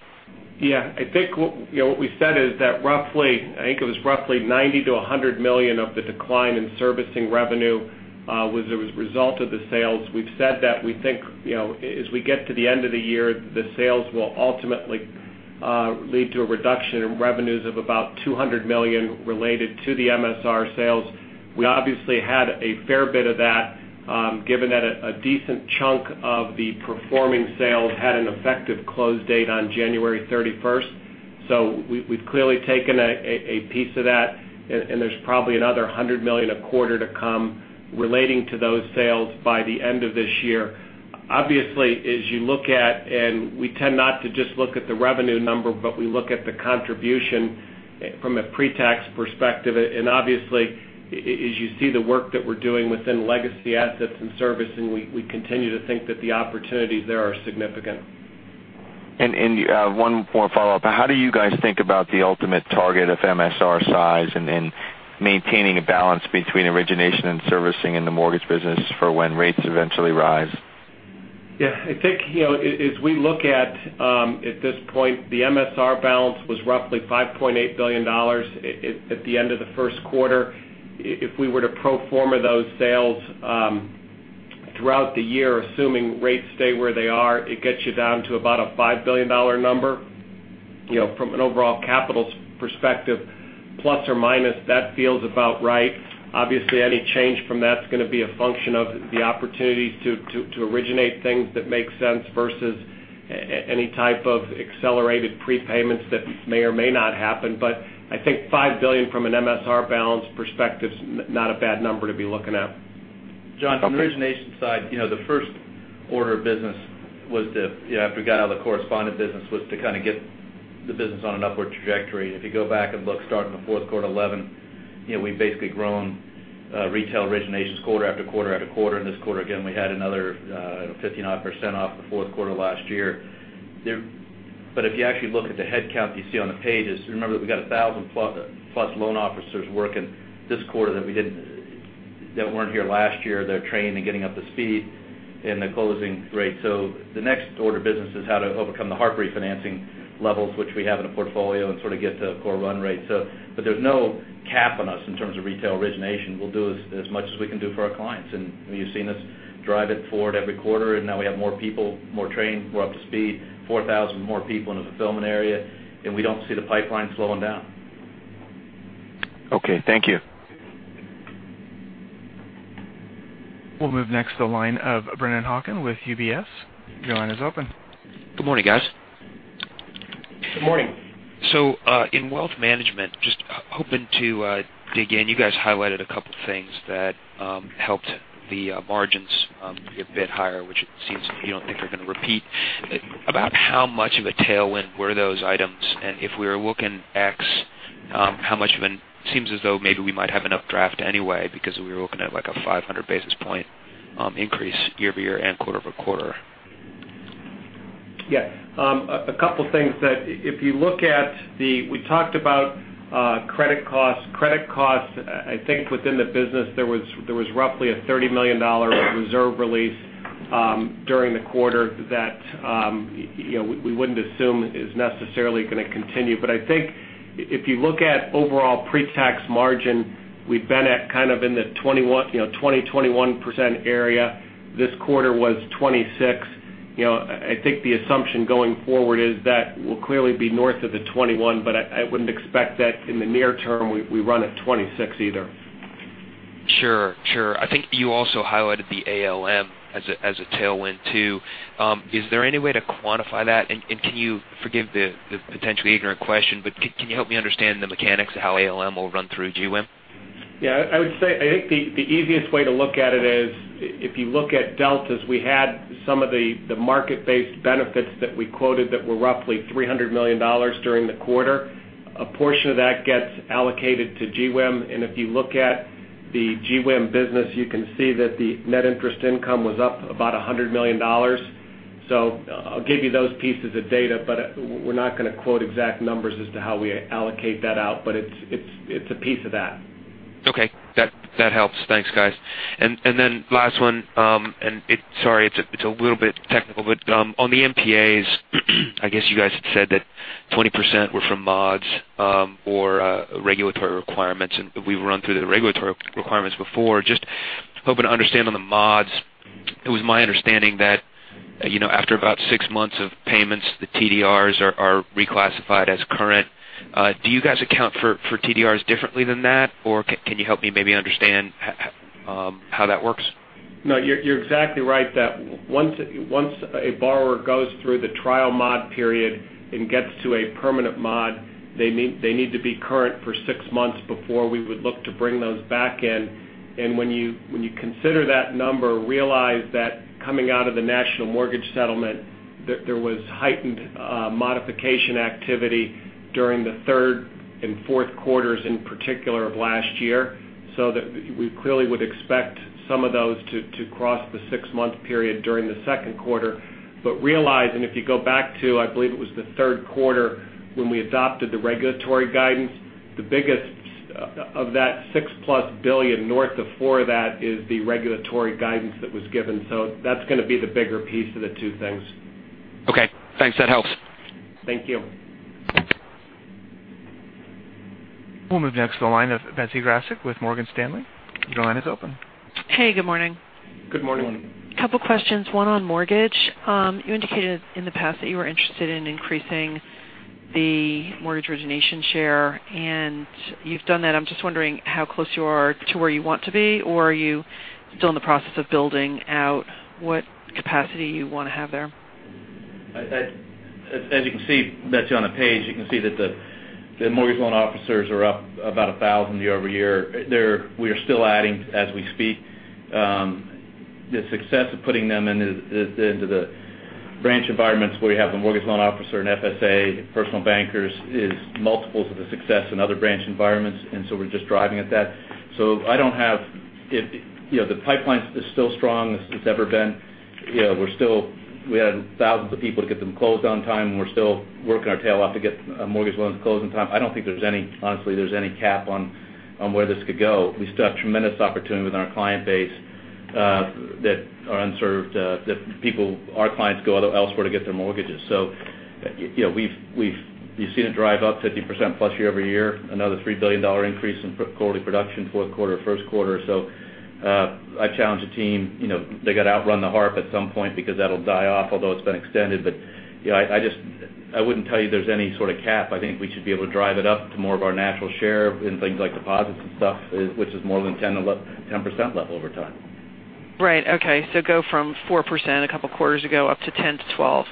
Yeah. I think what we said is that roughly $90 to $100 million of the decline in servicing revenue was a result of the sales. We've said that we think as we get to the end of the year, the sales will ultimately lead to a reduction in revenues of about $200 million related to the MSR sales. We obviously had a fair bit of that given that a decent chunk of the performing sales had an effective close date on January 31st. We've clearly taken a piece of that, and there's probably another $100 million a quarter to come relating to those sales by the end of this year. Obviously, as you look at, and we tend not to just look at the revenue number, but we look at the contribution from a pre-tax perspective. Obviously, as you see the work that we're doing within legacy assets and servicing, we continue to think that the opportunities there are significant. One more follow-up. How do you guys think about the ultimate target of MSR size and maintaining a balance between origination and servicing in the mortgage business for when rates eventually rise? Yeah, I think as we look at this point, the MSR balance was roughly $5.8 billion at the end of the first quarter. If we were to pro forma those sales throughout the year, assuming rates stay where they are, it gets you down to about a $5 billion number. From an overall capital perspective, plus or minus, that feels about right. Obviously, any change from that's going to be a function of the opportunities to originate things that make sense versus any type of accelerated prepayments that may or may not happen. I think $5 billion from an MSR balance perspective's not a bad number to be looking at. Okay. John, from the origination side, the first order of business after we got out of the correspondent business was to kind of get the business on an upward trajectory. If you go back and look, starting in the fourth quarter 2011, we've basically grown retail originations quarter after quarter after quarter. This quarter, again, we had another 59% off the fourth quarter last year. If you actually look at the headcount you see on the pages, remember that we got 1,000-plus loan officers working this quarter that weren't here last year. They're trained and getting up to speed in the closing rate. The next order of business is how to overcome the hard refinancing levels which we have in a portfolio and sort of get to core run rates. There's no cap on us in terms of retail origination. We'll do as much as we can do for our clients. You've seen us drive it forward every quarter. Now we have more people, more trained, more up to speed, 4,000 more people in the fulfillment area, and we don't see the pipeline slowing down. Okay, thank you. We'll move next to the line of Brennan Hawken with UBS. Your line is open. Good morning, guys. Good morning. In wealth management, just hoping to dig in. You guys highlighted a couple things that helped the margins get a bit higher, which it seems you don't think are going to repeat. About how much of a tailwind were those items? If we were looking ex, how much of seems as though maybe we might have enough draft anyway because we were looking at like a 500 basis points increase year-over-year and quarter-over-quarter. Yeah. A couple things that if you look at we talked about credit costs. Credit costs, I think within the business, there was roughly a $30 million reserve release during the quarter that we wouldn't assume is necessarily going to continue. I think if you look at overall pre-tax margin, we've been at kind of in the 20%-21% area. This quarter was 26%. I think the assumption going forward is that we'll clearly be north of the 21%, but I wouldn't expect that in the near term, we run at 26% either. Sure. I think you also highlighted the ALM as a tailwind too. Is there any way to quantify that? Can you forgive the potentially ignorant question, can you help me understand the mechanics of how ALM will run through GWIM? Yeah, I would say, I think the easiest way to look at it is if you look at deltas, we had some of the market-based benefits that we quoted that were roughly $300 million during the quarter. A portion of that gets allocated to GWIM, and if you look at the GWIM business, you can see that the net interest income was up about $100 million. I'll give you those pieces of data, we're not going to quote exact numbers as to how we allocate that out. It's a piece of that. Okay. That helps. Thanks, guys. Last one, sorry, it's a little bit technical, on the NPAs, I guess you guys had said that 20% were from mods or regulatory requirements, we've run through the regulatory requirements before. Just hoping to understand on the mods. It was my understanding that after about six months of payments, the TDRs are reclassified as current. Do you guys account for TDRs differently than that? Can you help me maybe understand how that works? No, you're exactly right that once a borrower goes through the trial mod period and gets to a permanent mod, they need to be current for six months before we would look to bring those back in. When you consider that number, realize that coming out of the National Mortgage Settlement, there was heightened modification activity during the third and fourth quarters, in particular, of last year. We clearly would expect some of those to cross the six-month period during the second quarter. Realize, if you go back to, I believe it was the third quarter when we adopted the regulatory guidance, of that $6-plus billion, north of four of that is the regulatory guidance that was given. That's going to be the bigger piece of the two things. Okay, thanks. That helps. Thank you. We'll move next to the line of Betsy Graseck with Morgan Stanley. Your line is open. Hey, good morning. Good morning. Couple questions. One on mortgage. You indicated in the past that you were interested in increasing the mortgage origination share, and you've done that. I'm just wondering how close you are to where you want to be, or are you still in the process of building out what capacity you want to have there? As you can see, Betsy, on the page, you can see that the mortgage loan officers are up about 1,000 year-over-year. We are still adding as we speak. The success of putting them into the branch environments where you have the mortgage loan officer and FSA personal bankers is multiples of the success in other branch environments. We're just driving at that. The pipeline is still strong as it's ever been. We had thousands of people to get them closed on time, and we're still working our tail off to get mortgage loans closed on time. I don't think there's any, honestly, cap on where this could go. We still have tremendous opportunity with our client base that are unserved, that our clients go elsewhere to get their mortgages. You've seen it drive up 50% plus year-over-year, another $3 billion increase in quarterly production, fourth quarter, first quarter. I challenge the team. They got to outrun the HARP at some point because that'll die off, although it's been extended. I wouldn't tell you there's any sort of cap. I think we should be able to drive it up to more of our natural share in things like deposits and stuff, which is more than 10% level over time. Right. Okay. Go from 4% a couple quarters ago up to 10%-12%.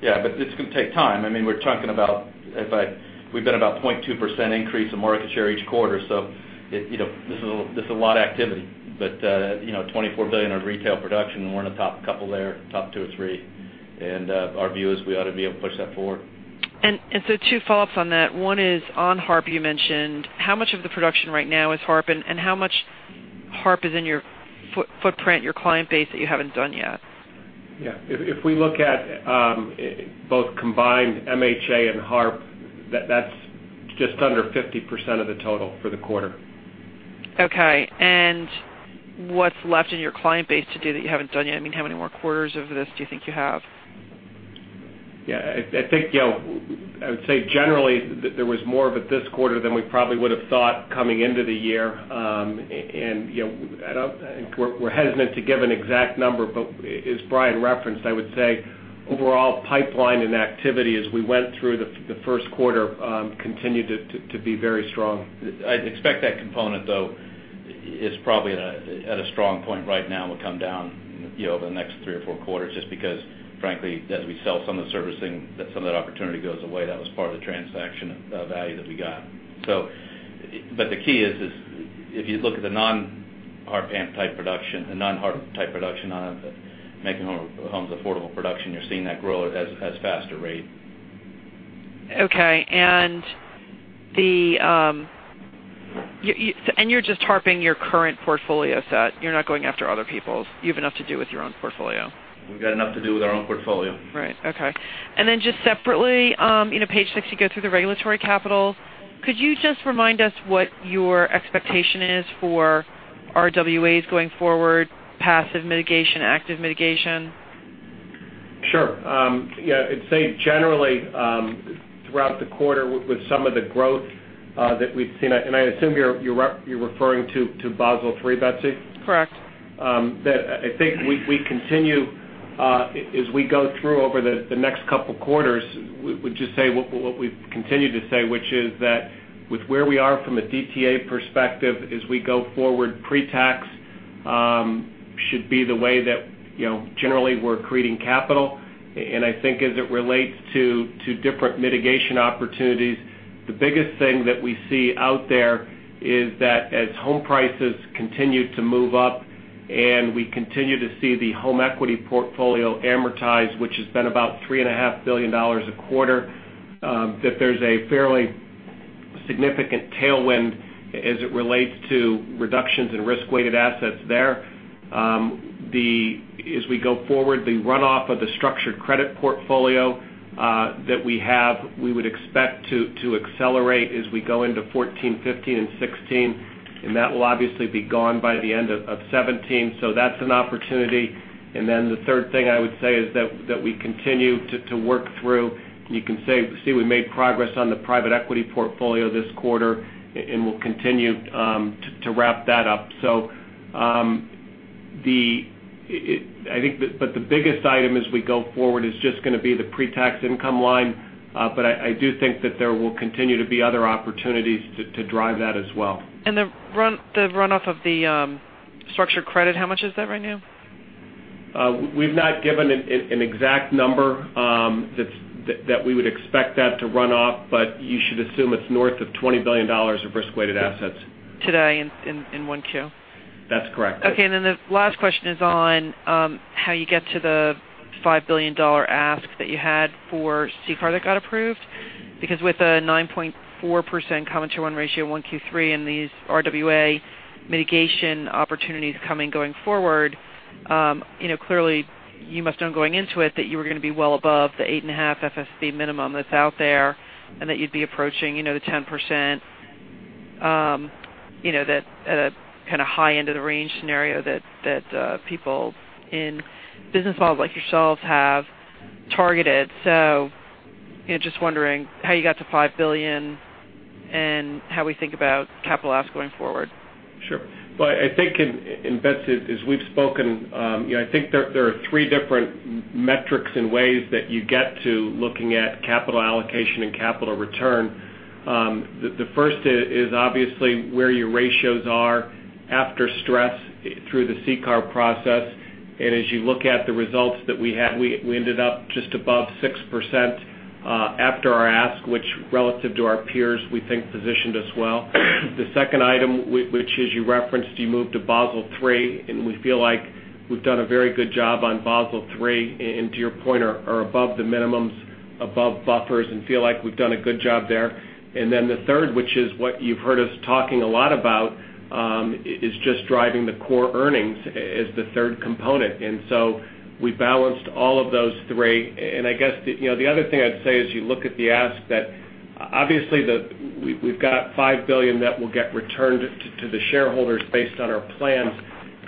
Yeah, it's going to take time. We're talking about if we've done about 0.2% increase in market share each quarter. This is a lot of activity. $24 billion on retail production, and we're in the top couple there, top two or three. Our view is we ought to be able to push that forward. Two follow-ups on that. One is on HARP you mentioned. How much of the production right now is HARP, and how much HARP is in your footprint, your client base that you haven't done yet? Yeah. If we look at both combined MHA and HARP, that's just under 50% of the total for the quarter. Okay. What's left in your client base to do that you haven't done yet? How many more quarters of this do you think you have? Yeah. I think I would say generally there was more of it this quarter than we probably would have thought coming into the year. We're hesitant to give an exact number, but as Brian referenced, I would say overall pipeline and activity as we went through the first quarter continued to be very strong. I'd expect that component, though, is probably at a strong point right now, will come down over the next three or four quarters just because frankly, as we sell some of the servicing, that some of that opportunity goes away. That was part of the transaction value that we got. The key is if you look at the non-HARP type production on it, Making Home Affordable production, you're seeing that grow at a faster rate. Okay. You're just HARPing your current portfolio set. You're not going after other people's. You have enough to do with your own portfolio. We've got enough to do with our own portfolio. Right. Okay. Just separately, in page six, you go through the regulatory capital. Could you just remind us what your expectation is for RWAs going forward, passive mitigation, active mitigation? Sure. I'd say generally, throughout the quarter with some of the growth that we've seen. I assume you're referring to Basel III, Betsy? Correct. I think we continue as we go through over the next couple of quarters, we'd just say what we've continued to say, which is that with where we are from a DTA perspective as we go forward, pre-tax should be the way that generally we're creating capital. I think as it relates to different mitigation opportunities, the biggest thing that we see out there is that as home prices continue to move up and we continue to see the home equity portfolio amortized, which has been about $3.5 billion a quarter, that there's a fairly significant tailwind as it relates to reductions in risk-weighted assets there. As we go forward, the runoff of the structured credit portfolio that we have, we would expect to accelerate as we go into 2014, 2015, and 2016. That will obviously be gone by the end of 2017. That's an opportunity. The third thing I would say is that we continue to work through. You can see we made progress on the private equity portfolio this quarter, we'll continue to wrap that up. The biggest item as we go forward is just going to be the pre-tax income line. I do think that there will continue to be other opportunities to drive that as well. The runoff of the structured credit, how much is that right now? We've not given an exact number that we would expect that to run off, but you should assume it's north of $20 billion of risk-weighted assets. Today in 1Q? That's correct. Okay, the last question is on how you get to the $5 billion ask that you had for CCAR that got approved. Because with a 9.4% common share ratio in 1Q 2013 and these RWA mitigation opportunities coming going forward, clearly you must have known going into it that you were going to be well above the 8.5% [FFB minimum] that's out there, and that you'd be approaching the 10%, that kind of high end of the range scenario that people in business models like yourselves have targeted. Just wondering how you got to $5 billion and how we think about capital asks going forward. Sure. I think, Betsy, as we've spoken, I think there are three different metrics and ways that you get to looking at capital allocation and capital return. The first is obviously where your ratios are after stress through the CCAR process. As you look at the results that we had, we ended up just above 6% after our ask, which relative to our peers, we think positioned us well. The second item, which as you referenced, you move to Basel III, and we feel like we've done a very good job on Basel III, and to your point, are above the minimums, above buffers, and feel like we've done a good job there. The third, which is what you've heard us talking a lot about, is just driving the core earnings as the third component. We balanced all of those three. I guess, the other thing I'd say is you look at the ask that obviously we've got $5 billion that will get returned to the shareholders based on our plans.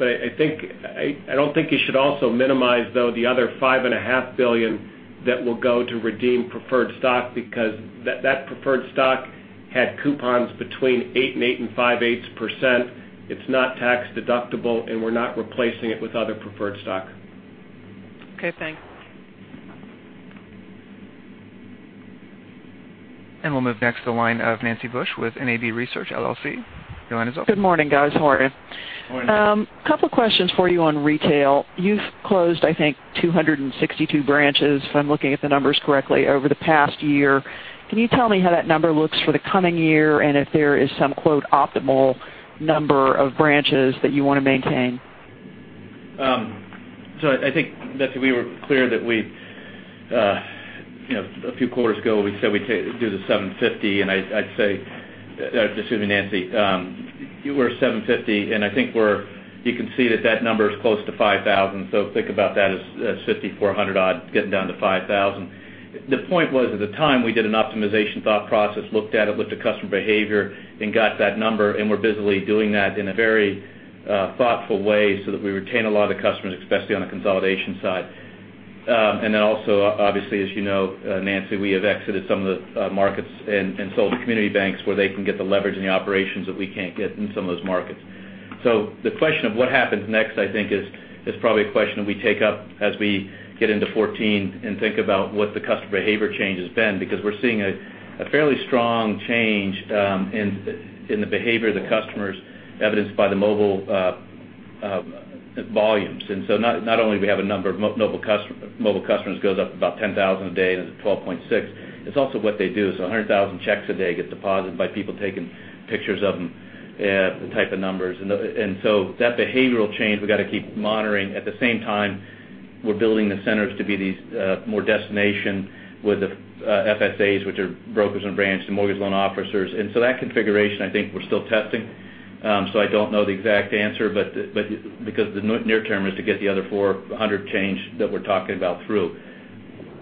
I don't think you should also minimize, though, the other $5.5 billion that will go to redeem preferred stock because that preferred stock had coupons between 8% and 8.5%. It's not tax-deductible, and we're not replacing it with other preferred stock. Okay, thanks. We'll move next to the line of Nancy Bush with NAB Research, LLC. Your line is open. Good morning, guys. How are you? Morning. A couple questions for you on retail. You've closed, I think, 262 branches if I'm looking at the numbers correctly over the past year. Can you tell me how that number looks for the coming year and if there is some "optimal" number of branches that you want to maintain? I think, Betsy, we were clear that a few quarters ago, we said we do the 750, Excuse me, Nancy. We're 750, and I think you can see that that number is close to 5,000. Think about that as 5,400 odd getting down to 5,000. The point was, at the time, we did an optimization thought process, looked at it, looked at customer behavior, and got that number, and we're busily doing that in a very thoughtful way so that we retain a lot of the customers, especially on the consolidation side. Also, obviously, as you know, Nancy, we have exited some of the markets and sold to community banks where they can get the leverage in the operations that we can't get in some of those markets. The question of what happens next, I think, is probably a question that we take up as we get into 2014 and think about what the customer behavior change has been because we're seeing a fairly strong change in the behavior of the customers evidenced by the mobile volumes. Not only we have a number of mobile customers goes up about 10,000 a day and is at 12.6. It's also what they do. 100,000 checks a day get deposited by people taking pictures of them type of numbers. That behavioral change, we got to keep monitoring. At the same time, we're building the centers to be these more destination with the FSAs, which are brokers and branch and mortgage loan officers. That configuration, I think we're still testing. I don't know the exact answer because the near term is to get the other 400 change that we're talking about through.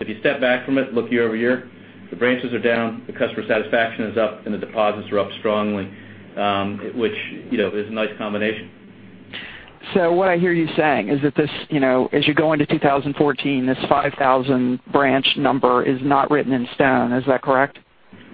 If you step back from it, look year-over-year, the branches are down, the customer satisfaction is up, and the deposits are up strongly which is a nice combination. What I hear you saying is that as you go into 2014, this 5,000 branch number is not written in stone. Is that correct?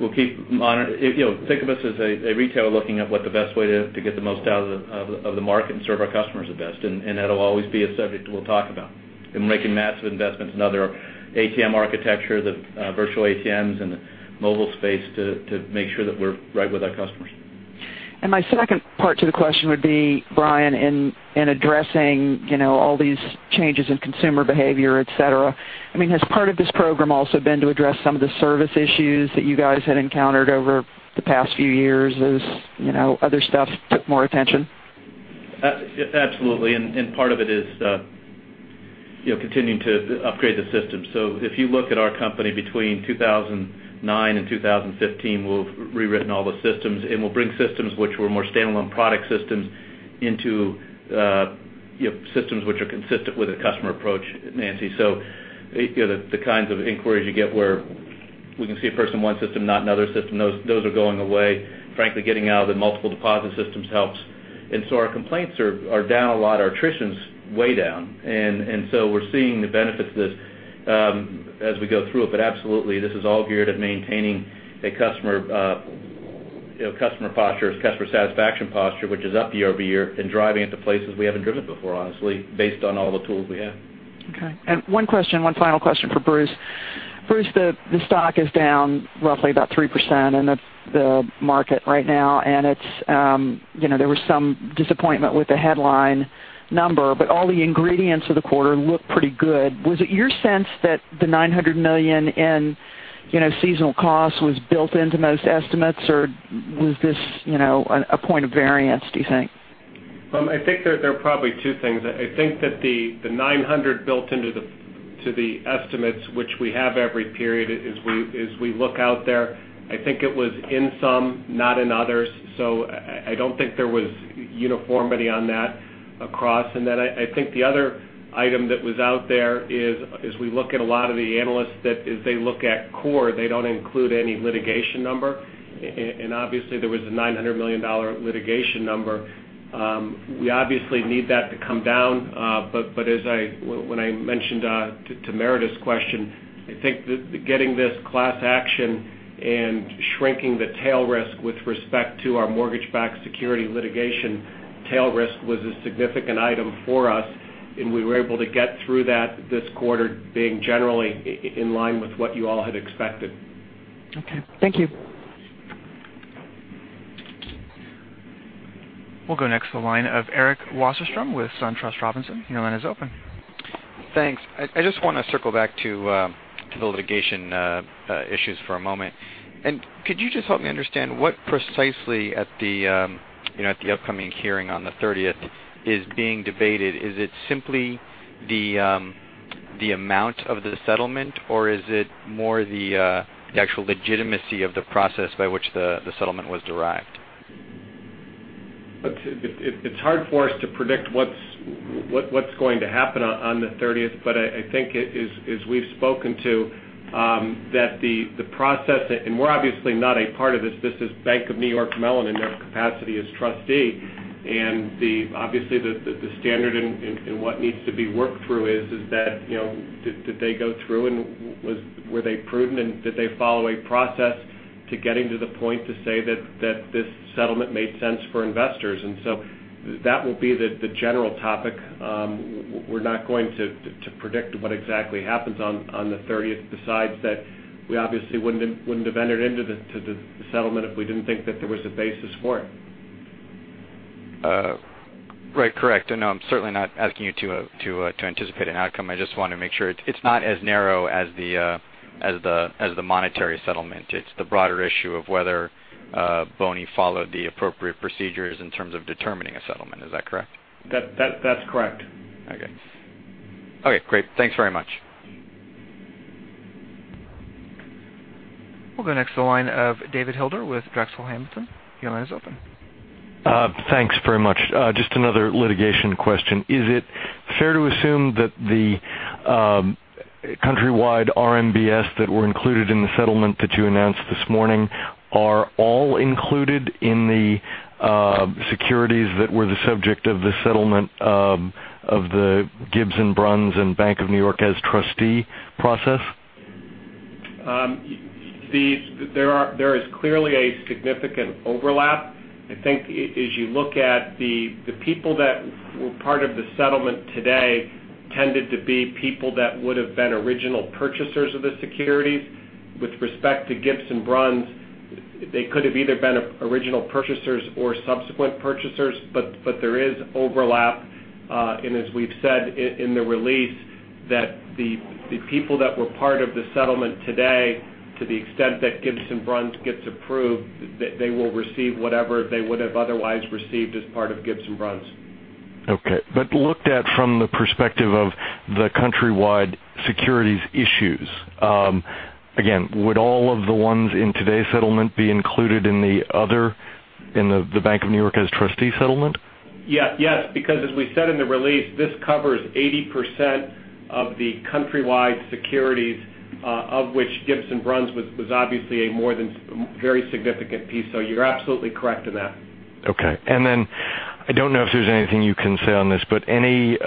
We'll keep monitoring. Think of us as a retailer looking at what the best way to get the most out of the market and serve our customers the best. That'll always be a subject we'll talk about. We're making massive investments in other ATM architecture, the virtual ATMs, and the mobile space to make sure that we're right with our customers. My second part to the question would be, Brian, in addressing all these changes in consumer behavior, et cetera, has part of this program also been to address some of the service issues that you guys had encountered over the past few years as other stuff took more attention? Absolutely. Part of it is continuing to upgrade the system. If you look at our company between 2009 and 2015, we've rewritten all the systems, we'll bring systems which were more standalone product systems into systems which are consistent with a customer approach, Nancy. The kinds of inquiries you get where we can see a person in one system, not another system, those are going away. Frankly, getting out of the multiple deposit systems helps. Our complaints are down a lot. Our attrition's way down. We're seeing the benefits of this as we go through it. Absolutely, this is all geared at maintaining a customer posture, customer satisfaction posture, which is up year-over-year, driving it to places we haven't driven before, honestly, based on all the tools we have. Okay. One final question for Bruce. Bruce, the stock is down roughly about 3% in the market right now, there was some disappointment with the headline number, all the ingredients of the quarter look pretty good. Was it your sense that the $900 million in seasonal costs was built into most estimates, or was this a point of variance, do you think? I think there are probably two things. I think that the $900 built into the estimates, which we have every period as we look out there, I think it was in some, not in others. I don't think there was uniformity on that across. I think the other item that was out there is we look at a lot of the analysts, that as they look at core, they don't include any litigation number. Obviously, there was a $900 million litigation number. We obviously need that to come down. When I mentioned to Meredith's question, I think getting this class action and shrinking the tail risk with respect to our mortgage-backed security litigation tail risk was a significant item for us, and we were able to get through that this quarter being generally in line with what you all had expected. Okay. Thank you. We'll go next to the line of Eric Wasserstrom with SunTrust Robinson. Your line is open. Thanks. I just want to circle back to the litigation issues for a moment. Could you just help me understand what precisely at the upcoming hearing on the 30th is being debated? Is it simply the amount of the settlement, or is it more the actual legitimacy of the process by which the settlement was derived? It's hard for us to predict what's going to happen on the 30th. I think as we've spoken to, that the process, and we're obviously not a part of this. This is Bank of New York Mellon in their capacity as trustee. Obviously, the standard and what needs to be worked through is that did they go through, and were they prudent, and did they follow a process to getting to the point to say that this settlement made sense for investors? That will be the general topic. We're not going to predict what exactly happens on the 30th besides that we obviously wouldn't have entered into the settlement if we didn't think that there was a basis for it. Right. Correct. No, I'm certainly not asking you to anticipate an outcome. I just want to make sure it's not as narrow as the monetary settlement. It's the broader issue of whether BONY followed the appropriate procedures in terms of determining a settlement. Is that correct? That's correct. Okay. Great. Thanks very much. We'll go next to the line of David Hilder with Drexel Hamilton. Your line is open. Thanks very much. Just another litigation question. Is it fair to assume that the Countrywide RMBS that were included in the settlement that you announced this morning are all included in the securities that were the subject of the settlement of the Gibbs & Bruns and Bank of New York as trustee process? There is clearly a significant overlap. I think as you look at the people that were part of the settlement today tended to be people that would have been original purchasers of the securities. With respect to Gibbs & Bruns, they could have either been original purchasers or subsequent purchasers, but there is overlap. As we've said in the release, that the people that were part of the settlement today, to the extent that Gibbs & Bruns gets approved, they will receive whatever they would have otherwise received as part of Gibbs & Bruns. Okay. Looked at from the perspective of the Countrywide securities issues. Again, would all of the ones in today's settlement be included in the other, in the Bank of New York as trustee settlement? Yes. Because as we said in the release, this covers 80% of the Countrywide securities, of which Gibbs & Bruns was obviously a very significant piece. You're absolutely correct in that. Okay. Then I don't know if there's anything you can say on this, any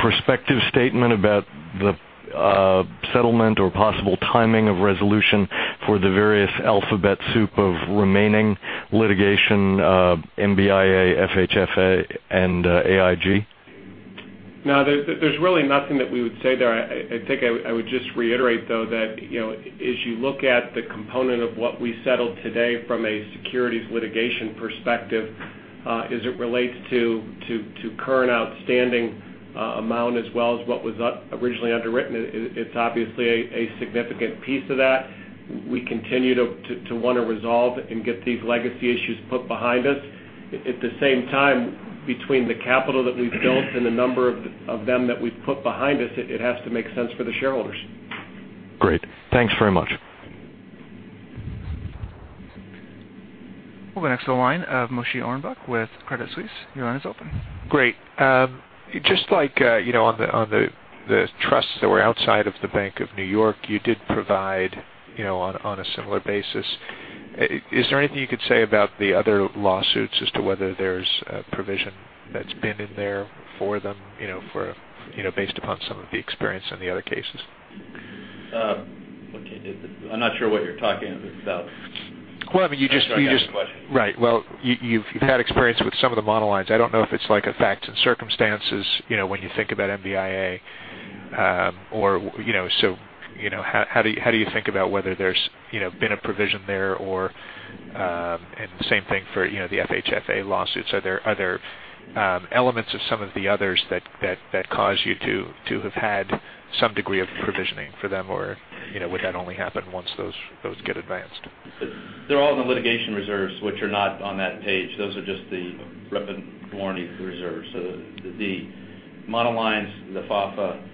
Perspective statement about the settlement or possible timing of resolution for the various alphabet soup of remaining litigation, MBIA, FHFA, and AIG? No, there's really nothing that we would say there. I think I would just reiterate, though, that as you look at the component of what we settled today from a securities litigation perspective as it relates to current outstanding amount as well as what was originally underwritten, it's obviously a significant piece of that. We continue to want to resolve it and get these legacy issues put behind us. At the same time, between the capital that we've built and the number of them that we've put behind us, it has to make sense for the shareholders. Great. Thanks very much. We'll go next to the line of Moshe Orenbuch with Credit Suisse. Your line is open. Great. Just like on the trusts that were outside of The Bank of New York, you did provide on a similar basis. Is there anything you could say about the other lawsuits as to whether there's a provision that's been in there for them, based upon some of the experience on the other cases? I'm not sure what you're talking about. Well, I mean, you just I'm not sure I got the question. Right. Well, you've had experience with some of the monolines. I don't know if it's like a fact and circumstances, when you think about MBIA. How do you think about whether there's been a provision there or same thing for the FHFA lawsuits. Are there other elements of some of the others that cause you to have had some degree of provisioning for them? Would that only happen once those get advanced? They're all in the litigation reserves, which are not on that page. Those are just the rep and warranty reserves. The monolines, the FHFA,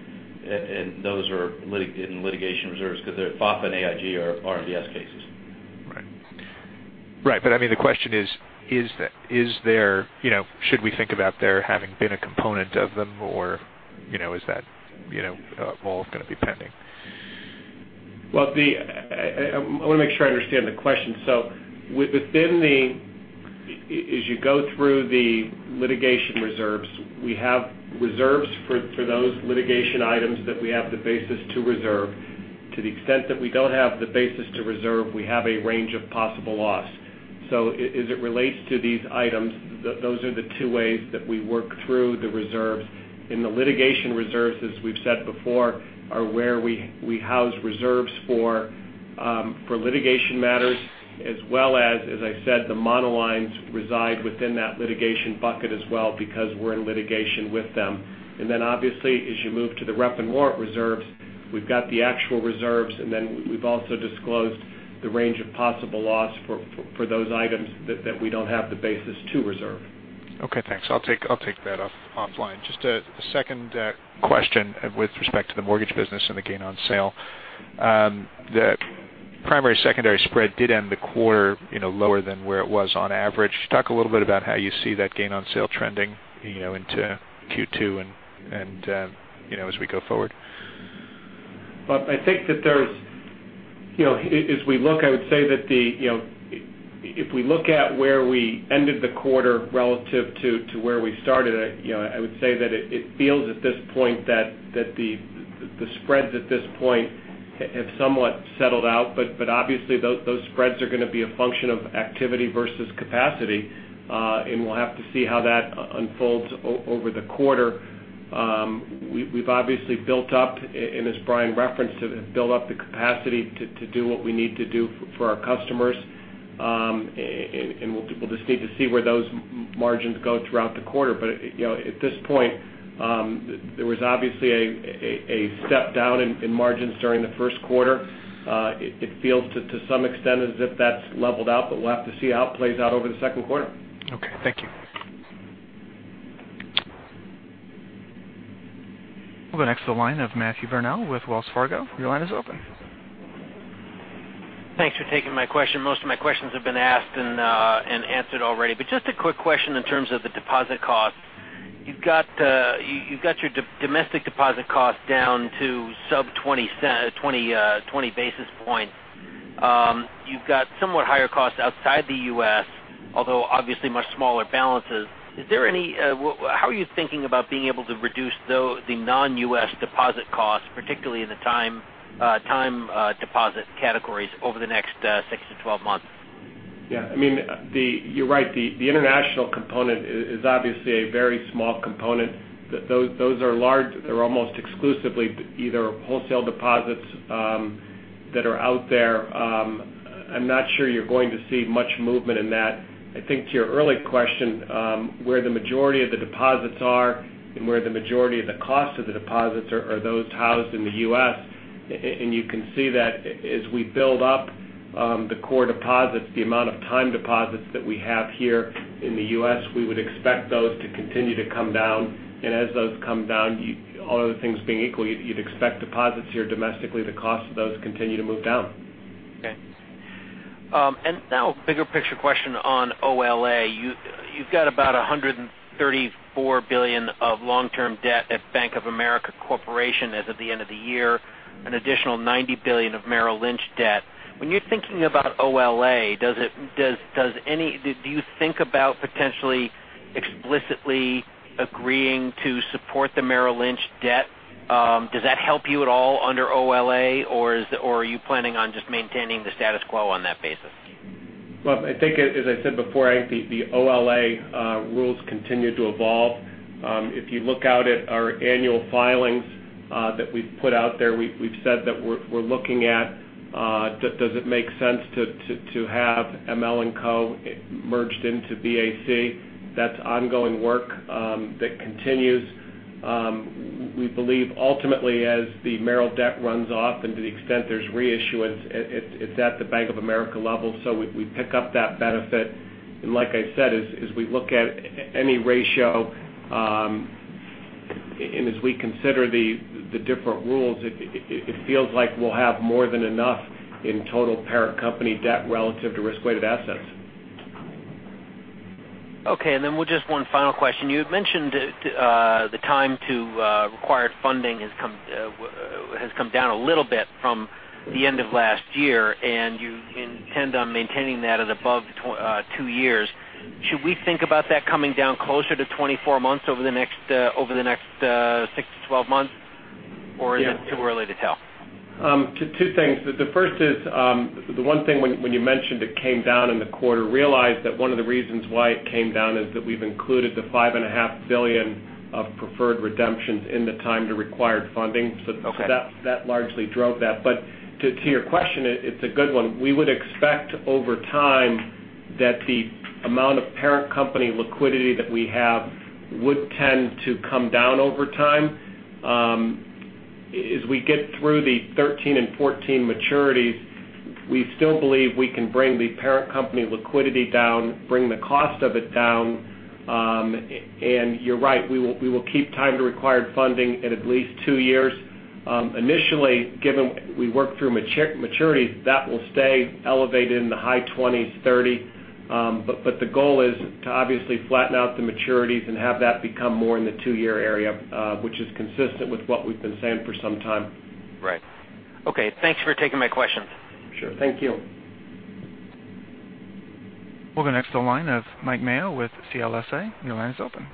and those are in litigation reserves because FHFA and AIG are RMBS cases. Right. I mean, the question is, should we think about there having been a component of them or is that all going to be pending? I want to make sure I understand the question. Within the-- as you go through the litigation reserves, we have reserves for those litigation items that we have the basis to reserve. To the extent that we don't have the basis to reserve, we have a range of possible loss. As it relates to these items, those are the two ways that we work through the reserves. In the litigation reserves, as we've said before, are where we house reserves for litigation matters as well as I said, the monolines reside within that litigation bucket as well because we're in litigation with them. Obviously, as you move to the rep and warrant reserves, we've got the actual reserves, and then we've also disclosed the range of possible loss for those items that we don't have the basis to reserve. Okay, thanks. I'll take that offline. Just a second question with respect to the mortgage business and the gain on sale. The primary-secondary spread did end the quarter lower than where it was on average. Talk a little bit about how you see that gain on sale trending into Q2 and as we go forward. I think that there's-- as we look, I would say that if we look at where we ended the quarter relative to where we started, I would say that it feels at this point that the spreads, at this point, have somewhat settled out. Obviously, those spreads are going to be a function of activity versus capacity. We'll have to see how that unfolds over the quarter. We've obviously built up, and as Brian referenced, built up the capacity to do what we need to do for our customers. We'll just need to see where those margins go throughout the quarter. At this point, there was obviously a step down in margins during the first quarter. It feels to some extent as if that's leveled out, but we'll have to see how it plays out over the second quarter. Okay. Thank you. We'll go next to the line of Matthew Burnell with Wells Fargo. Your line is open. Thanks for taking my question. Most of my questions have been asked and answered already. Just a quick question in terms of the deposit cost. You've got your domestic deposit cost down to sub 20 basis points. You've got somewhat higher costs outside the U.S., although obviously much smaller balances. How are you thinking about being able to reduce the non-U.S. deposit costs, particularly in the time deposit categories over the next 6 to 12 months? Yeah. I mean, you're right. The international component is obviously a very small component. Those are large. They're almost exclusively either wholesale deposits that are out there. I'm not sure you're going to see much movement in that. I think to your earlier question, where the majority of the deposits are and where the majority of the cost of the deposits are those housed in the U.S. You can see that as we build up the core deposits, the amount of time deposits that we have here in the U.S., we would expect those to continue to come down. As those come down, all other things being equal, you'd expect deposits here domestically, the cost of those continue to move down. Okay. Now a bigger picture question on OLA. You've got about $134 billion of long-term debt at Bank of America Corporation as of the end of the year, an additional $90 billion of Merrill Lynch debt. When you're thinking about OLA, do you think about potentially explicitly agreeing to support the Merrill Lynch debt? Does that help you at all under OLA, or are you planning on just maintaining the status quo on that basis? Well, I think as I said before, I think the OLA rules continue to evolve. If you look out at our annual filings that we've put out there, we've said that we're looking at does it make sense to have ML&Co merged into BAC? That's ongoing work that continues. We believe ultimately, as the Merrill debt runs off and to the extent there's reissuance, it's at the Bank of America level, so we pick up that benefit. Like I said, as we look at any ratio, and as we consider the different rules, it feels like we'll have more than enough in total parent company debt relative to risk-weighted assets. Okay. Just one final question. You had mentioned the time to required funding has come down a little bit from the end of last year, and you intend on maintaining that at above two years. Should we think about that coming down closer to 24 months over the next six to 12 months? Yeah Is it too early to tell? Two things. The first is, the one thing when you mentioned it came down in the quarter, realize that one of the reasons why it came down is that we've included the $5.5 billion of preferred redemptions in the time to required funding. Okay. That largely drove that. To your question, it's a good one. We would expect over time that the amount of parent company liquidity that we have would tend to come down over time. As we get through the 2013 and 2014 maturities, we still believe we can bring the parent company liquidity down, bring the cost of it down, and you're right, we will keep time to required funding at least two years. Initially, given we work through maturities, that will stay elevated in the high 20s, 30. The goal is to obviously flatten out the maturities and have that become more in the two-year area, which is consistent with what we've been saying for some time. Right. Okay. Thanks for taking my questions. Sure. Thank you. We'll go next to the line of Mike Mayo with CLSA. Your line is open.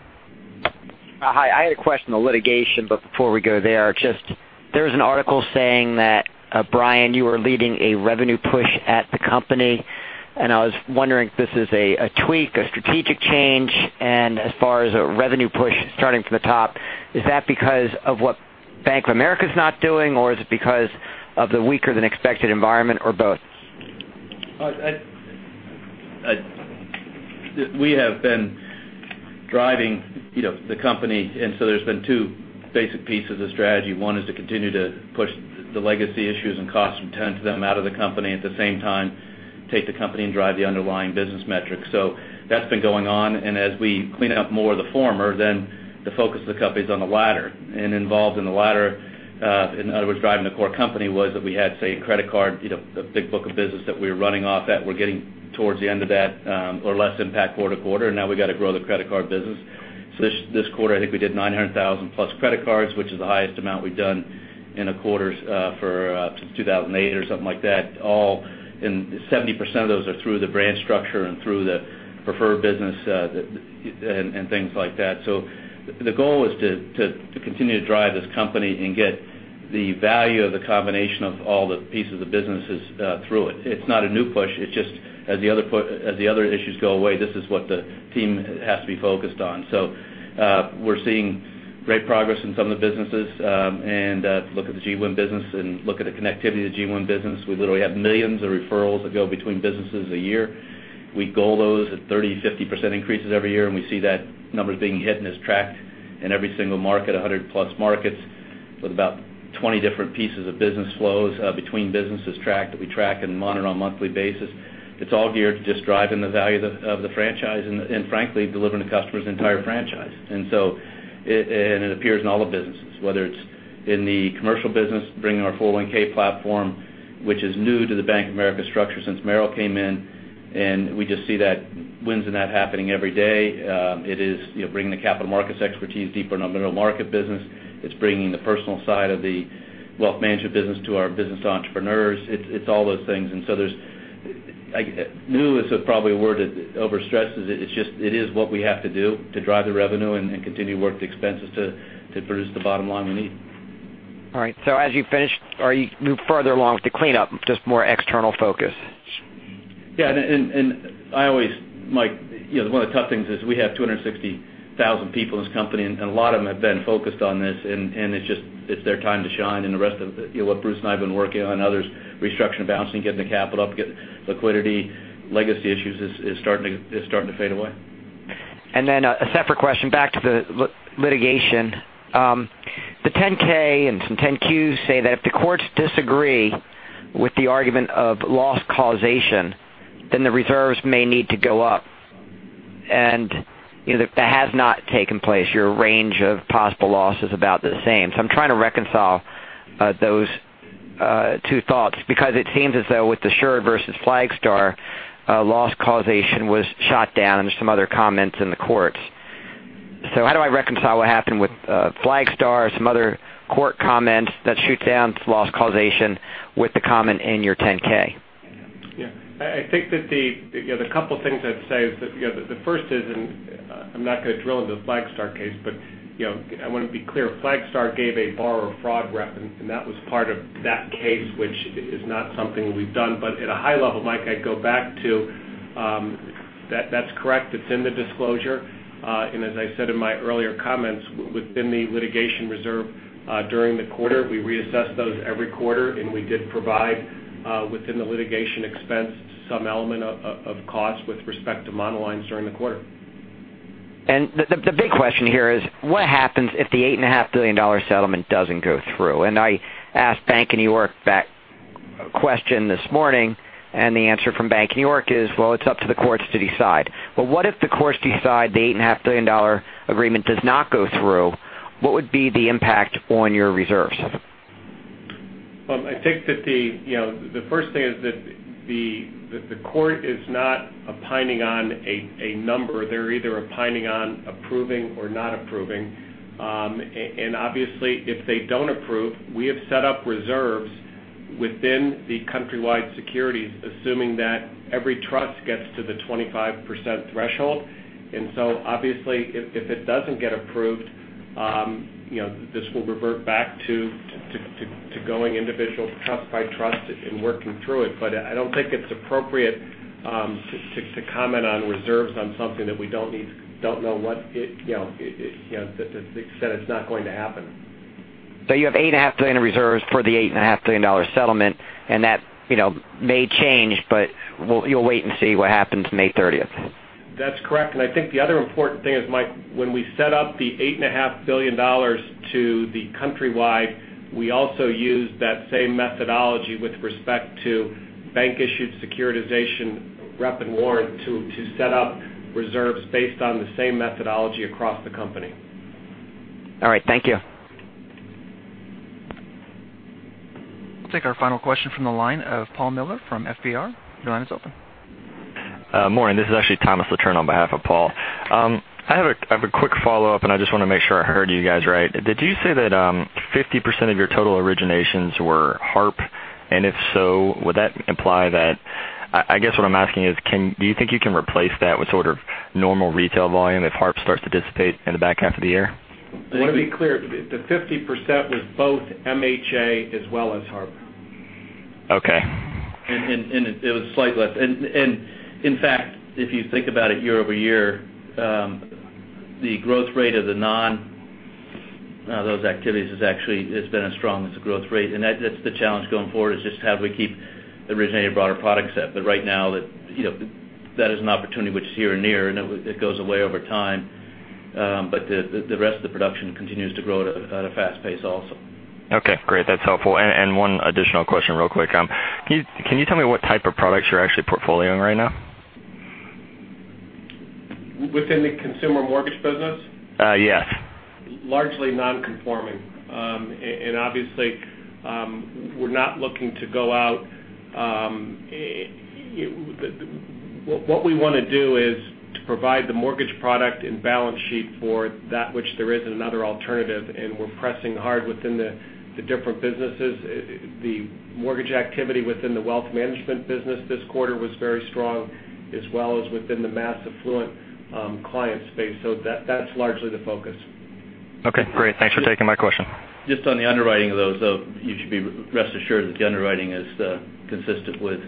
Hi. I had a question on litigation, but before we go there, just there's an article saying that, Brian, you are leading a revenue push at the company. I was wondering if this is a tweak, a strategic change? As far as a revenue push starting from the top, is that because of what Bank of America's not doing, or is it because of the weaker than expected environment or both? We have been driving the company, there's been two basic pieces of strategy. One is to continue to push the legacy issues and costs and turn to them out of the company. At the same time, take the company and drive the underlying business metrics. That's been going on. As we clean up more of the former, then the focus of the company's on the latter. Involved in the latter, in other words, driving the core company was that we had, say, a credit card, a big book of business that we were running off at. We're getting towards the end of that, or less impact quarter to quarter, and now we've got to grow the credit card business. This quarter, I think we did 900,000-plus credit cards, which is the highest amount we've done in a quarter since 2008 or something like that. 70% of those are through the branch structure and through the preferred business, and things like that. The goal is to continue to drive this company and get the value of the combination of all the pieces of businesses through it. It's not a new push. It's just as the other issues go away, this is what the team has to be focused on. We're seeing great progress in some of the businesses. If you look at the GWIM business and look at the connectivity of the GWIM business, we literally have millions of referrals that go between businesses a year. We goal those at 30%-50% increases every year, and we see that number's being hit and is tracked in every single market, 100-plus markets, with about 20 different pieces of business flows between businesses that we track and monitor on a monthly basis. It's all geared to just driving the value of the franchise and frankly, delivering the customer's entire franchise. It appears in all the businesses, whether it's in the commercial business, bringing our 401 platform, which is new to the Bank of America structure since Merrill came in. We just see that wins in that happening every day. It is bringing the capital markets expertise deeper in our middle market business. It's bringing the personal side of the wealth management business to our business entrepreneurs. It's all those things. So, new is probably a word that overstresses it. It is what we have to do to drive the revenue and continue to work the expenses to produce the bottom line we need. All right. As you finish or you move further along with the cleanup, just more external focus. Yeah. Mike, one of the tough things is we have 260,000 people in this company, and a lot of them have been focused on this, and it's their time to shine, and the rest of what Bruce and I have been working on, others, restructuring, balancing, getting the capital up, getting liquidity, legacy issues is starting to fade away. A separate question back to the litigation. The 10-K and some 10-Qs say that if the courts disagree with the argument of loss causation, then the reserves may need to go up. That has not taken place. Your range of possible loss is about the same. I'm trying to reconcile those two thoughts because it seems as though with the Sher v. Flagstar, loss causation was shot down and there's some other comments in the courts. How do I reconcile what happened with Flagstar, some other court comments that shoot down loss causation with the comment in your 10-K? Yeah. I think that the couple things I'd say is that the first is, I'm not going to drill into the Flagstar case, but I want to be clear. Flagstar gave a borrower fraud rep, and that was part of that case, which is not something we've done. At a high level, Mike, I'd go back to that's correct. It's in the disclosure. As I said in my earlier comments, within the litigation reserve during the quarter, we reassess those every quarter, and we did provide, within the litigation expense, some element of cost with respect to monolines during the quarter. The big question here is, what happens if the $8.5 billion settlement doesn't go through? I asked Bank of New York that question this morning, and the answer from Bank of New York is, well, it's up to the courts to decide. What if the courts decide the $8.5 billion agreement does not go through? What would be the impact on your reserves? Well, I think that the first thing is that the court is not opining on a number. They're either opining on approving or not approving. Obviously, if they don't approve, we have set up reserves within the Countrywide Securities, assuming that every trust gets to the 25% threshold. Obviously, if it doesn't get approved, this will revert back to going individual trust by trust and working through it. I don't think it's appropriate to comment on reserves on something that we don't know that said it's not going to happen. You have $8.5 billion in reserves for the $8.5 billion settlement, and that may change, but you'll wait and see what happens May 30th. That's correct. I think the other important thing is, Mike, when we set up the $8.5 billion to the Countrywide, we also used that same methodology with respect to bank-issued securitization rep and warrant to set up reserves based on the same methodology across the company. All right. Thank you. We'll take our final question from the line of Paul Miller from FBR. Your line is open. Morning. This is actually [Thomas Latourneau] on behalf of Paul. I just want to make sure I heard you guys right. Did you say that 50% of your total originations were HARP? If so, would that imply that I guess what I'm asking is, do you think you can replace that with sort of normal retail volume if HARP starts to dissipate in the back half of the year? Let me be clear. The 50% was both MHA as well as HARP. Okay. It was slightly less. In fact, if you think about it year-over-year, the growth rate of those activities has been as strong as the growth rate. That's the challenge going forward, is just how do we keep originating a broader product set. Right now, that is an opportunity which is here and near, and it goes away over time. The rest of the production continues to grow at a fast pace also. Okay, great. That's helpful. One additional question real quick. Can you tell me what type of products you're actually portfolioing right now? Within the consumer mortgage business? Yes. Largely non-conforming. Obviously, we're not looking to go out. What we want to do is to provide the mortgage product and balance sheet for that which there isn't another alternative, and we're pressing hard within the different businesses. The mortgage activity within the Wealth Management business this quarter was very strong, as well as within the mass affluent client space. That's largely the focus. Okay, great. Thanks for taking my question. Just on the underwriting of those, though, you should be rest assured that the underwriting is consistent with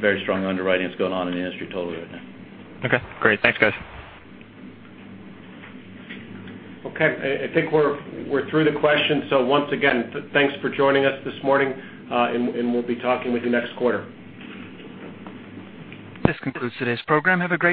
very strong underwriting that's going on in the industry totally right now. Okay, great. Thanks, guys. Okay. I think we're through the questions. Once again, thanks for joining us this morning, and we'll be talking with you next quarter. This concludes today's program. Have a great day.